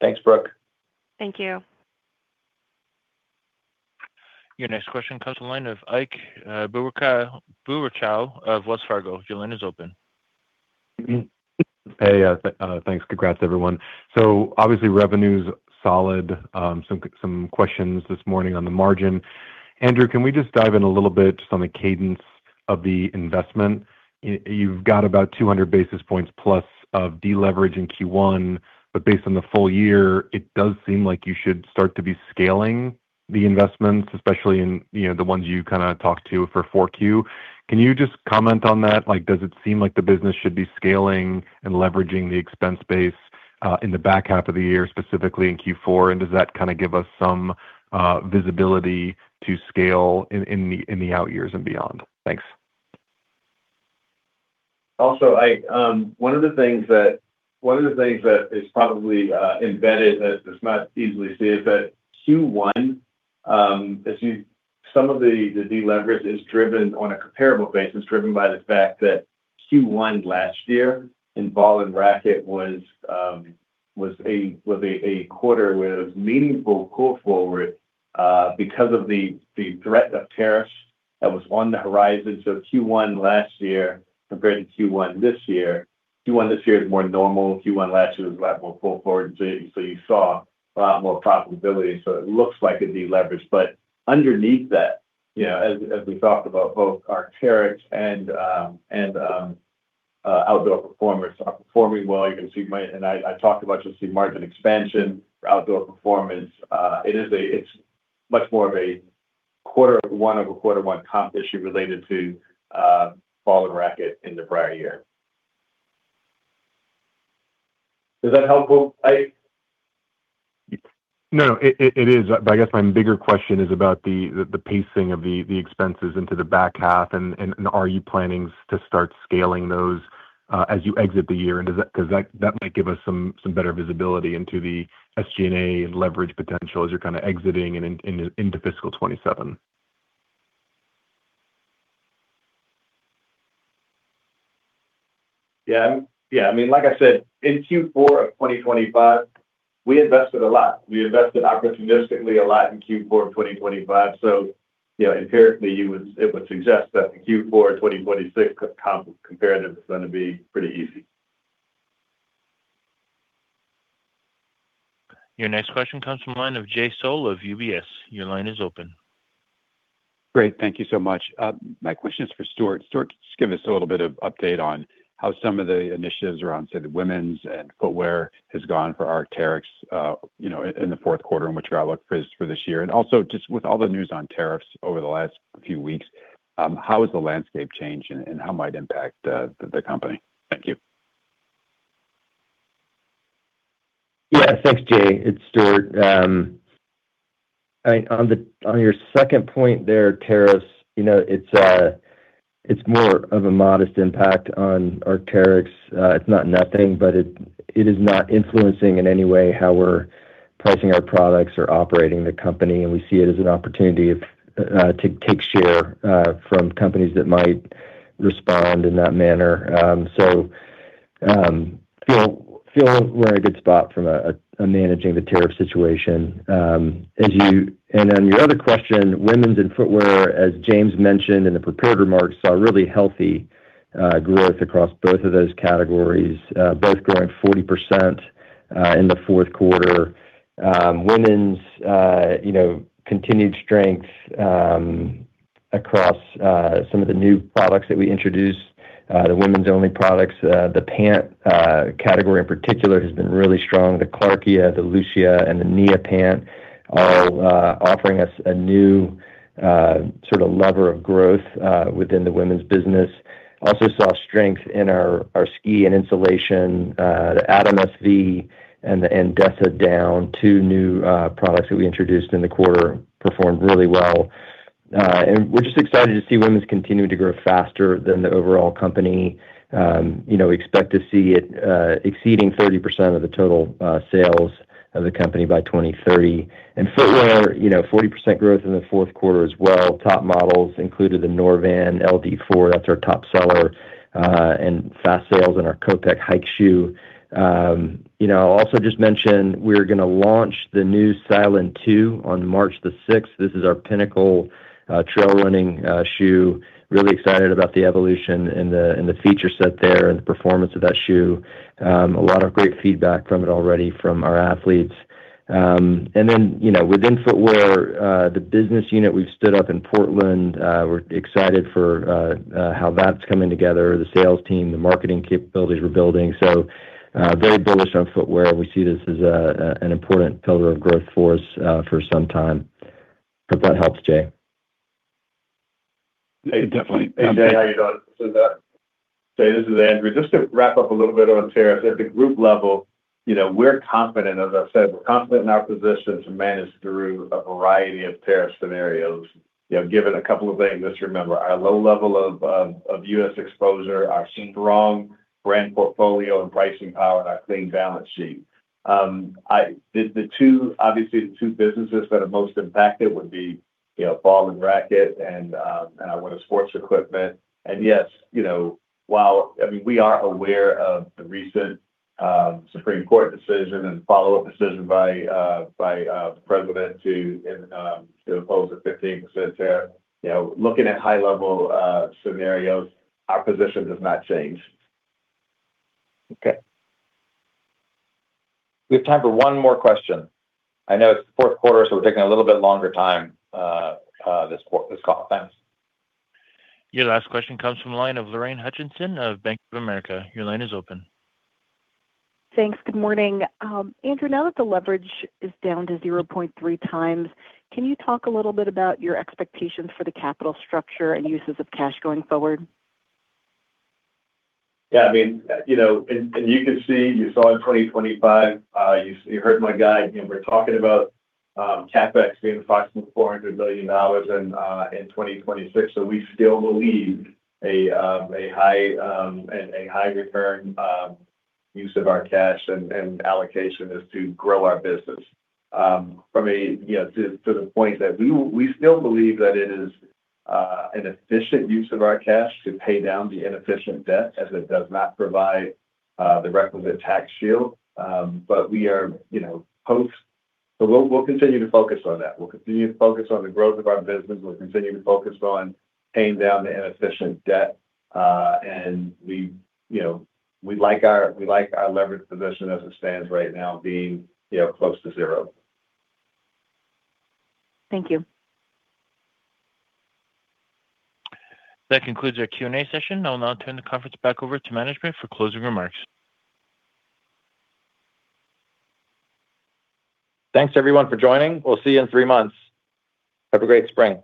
Thanks, Brooke. Thank you. Your next question comes to the line of Ike Boruchow of Wells Fargo. Your line is open. Thanks. Congrats, everyone. Obviously, revenue's solid. Some questions this morning on the margin. Andrew, can we just dive in a little bit just on the cadence of the investment? You've got about 200 basis points plus of deleverage in Q1, but based on the full year, it does seem like you should start to be scaling the investments, especially in, you know, the ones you kinda talked to for 4Q. Can you just comment on that? Like, does it seem like the business should be scaling and leveraging the expense base in the back half of the year, specifically in Q4? Does that kinda give us some visibility to scale in the out years and beyond? Thanks. One of the things that is probably embedded that is not easily seen, but Q1, as some of the deleverage is driven on a comparable basis, driven by the fact that Q1 last year in Ball & Racquet was a quarter with meaningful pull forward because of the threat of tariffs that was on the horizon. Q1 last year compared to Q1 this year, Q1 this year is more normal. Q1 last year was a lot more pull forward, so you saw a lot more profitability. It looks like a deleverage, but underneath that, you know, as we talked about, both our tariffs and outdoor performers are performing well. You can see and I talked about just the margin expansion for Outdoor Performance. It's much more of a quarter one over quarter one comp issue related to fall and racquet in the prior year. Is that helpful, Ike? No, it is. I guess my bigger question is about the pacing of the expenses into the back half and are you planning to start scaling those as you exit the year? 'Cause that might give us some better visibility into the SG&A and leverage potential as you're kinda exiting into fiscal 2027. Yeah, yeah. I mean, like I said, in Q4 of 2025, we invested a lot. We invested opportunistically a lot in Q4 of 2025. You know, inherently, it would suggest that the Q4 2026 comparative is going to be pretty easy. Your next question comes from the line of Jay Sole of UBS. Your line is open. Great. Thank you so much. My question is for Stuart. Stuart, just give us a little bit of update on how some of the initiatives around, say, the women's and footwear has gone for Arc'teryx, you know, in the fourth quarter, in which I look for this for this year. Also, just with all the news on tariffs over the last few weeks, how has the landscape changed, and how it might impact the company? Thank you. Yeah. Thanks, Jay. It's Stuart. On your second point there, tariffs, you know, it's more of a modest impact on Arc'teryx. It's not nothing, but it is not influencing in any way how we're pricing our products or operating the company, and we see it as an opportunity to take share from companies that might respond in that manner. Feel we're in a good spot from a managing the tariff situation. Your other question, women's and footwear, as James mentioned in the prepared remarks, saw really healthy growth across both of those categories. Both growing 40% in the fourth quarter. Women's, you know, continued strength across some of the new products that we introduced. The women's-only products, the pant category in particular, has been really strong. The Clarke, the Leutia, and the Neopant all offering us a new sort of lever of growth within the women's business. Also saw strength in our ski and insulation, the Atom SV and the Andessa Down, two new products that we introduced in the quarter performed really well. We're just excited to see women's continuing to grow faster than the overall company. You know, expect to see it exceeding 30% of the total sales of the company by 2030. Footwear, you know, 40% growth in the fourth quarter as well. Top models included the Norvan LD 4, that's our top seller, and fast sales in our Kopec hike shoe. You know, I'll also just mention we're gonna launch the new Sylan 2 on March 6th. This is our pinnacle trail running shoe. Really excited about the evolution and the feature set there and the performance of that shoe. A lot of great feedback from it already from our athletes. Then, you know, within footwear, the business unit, we've stood up in Portland. We're excited for how that's coming together, the sales team, the marketing capabilities we're building. Very bullish on footwear, and we see this as an important pillar of growth for us for some time. Hope that helps, Jay. Hey, definitely. Hey, Jay, how you doing? Jay, this is Andrew. Just to wrap up a little bit on tariffs, at the group level, you know, we're confident. As I said, we're confident in our position to manage through a variety of tariff scenarios. You know, given a couple of things, just remember, our low level of U.S. exposure, our strong brand portfolio and pricing power, and our clean balance sheet. Obviously, the two businesses that are most impacted would be, you know, Ball & Racquet and outdoor sports equipment. Yes, you know, while, I mean, we are aware of the recent Supreme Court decision and follow-up decision by the president to oppose the 15% tariff. You know, looking at high-level scenarios, our position does not change. Okay. We have time for one more question. I know it's the fourth quarter, so we're taking a little bit longer time, this call. Thanks. Your last question comes from the line of Lorraine Hutchinson of Bank of America. Your line is open. Thanks. Good morning. Andrew, now that the leverage is down to 0.3x, can you talk a little bit about your expectations for the capital structure and uses of cash going forward? Yeah, I mean, you know, and you can see, you saw in 2025, you heard my guide, and we're talking about CapEx being approximately $400 million in 2026. We still believe a high and a high return use of our cash and allocation is to grow our business. From a, you know, to the point that we still believe that it is an efficient use of our cash to pay down the inefficient debt, as it does not provide the requisite tax shield. We are, you know, We'll, we'll continue to focus on that. We'll continue to focus on the growth of our business. We'll continue to focus on paying down the inefficient debt, and we, you know, we like our leverage position as it stands right now, being, you know, close to 0. Thank you. That concludes our Q&A session. I'll now turn the conference back over to management for closing remarks. Thanks, everyone, for joining. We'll see you in three months. Have a great spring.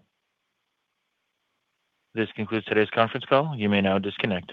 This concludes today's conference call. You may now disconnect.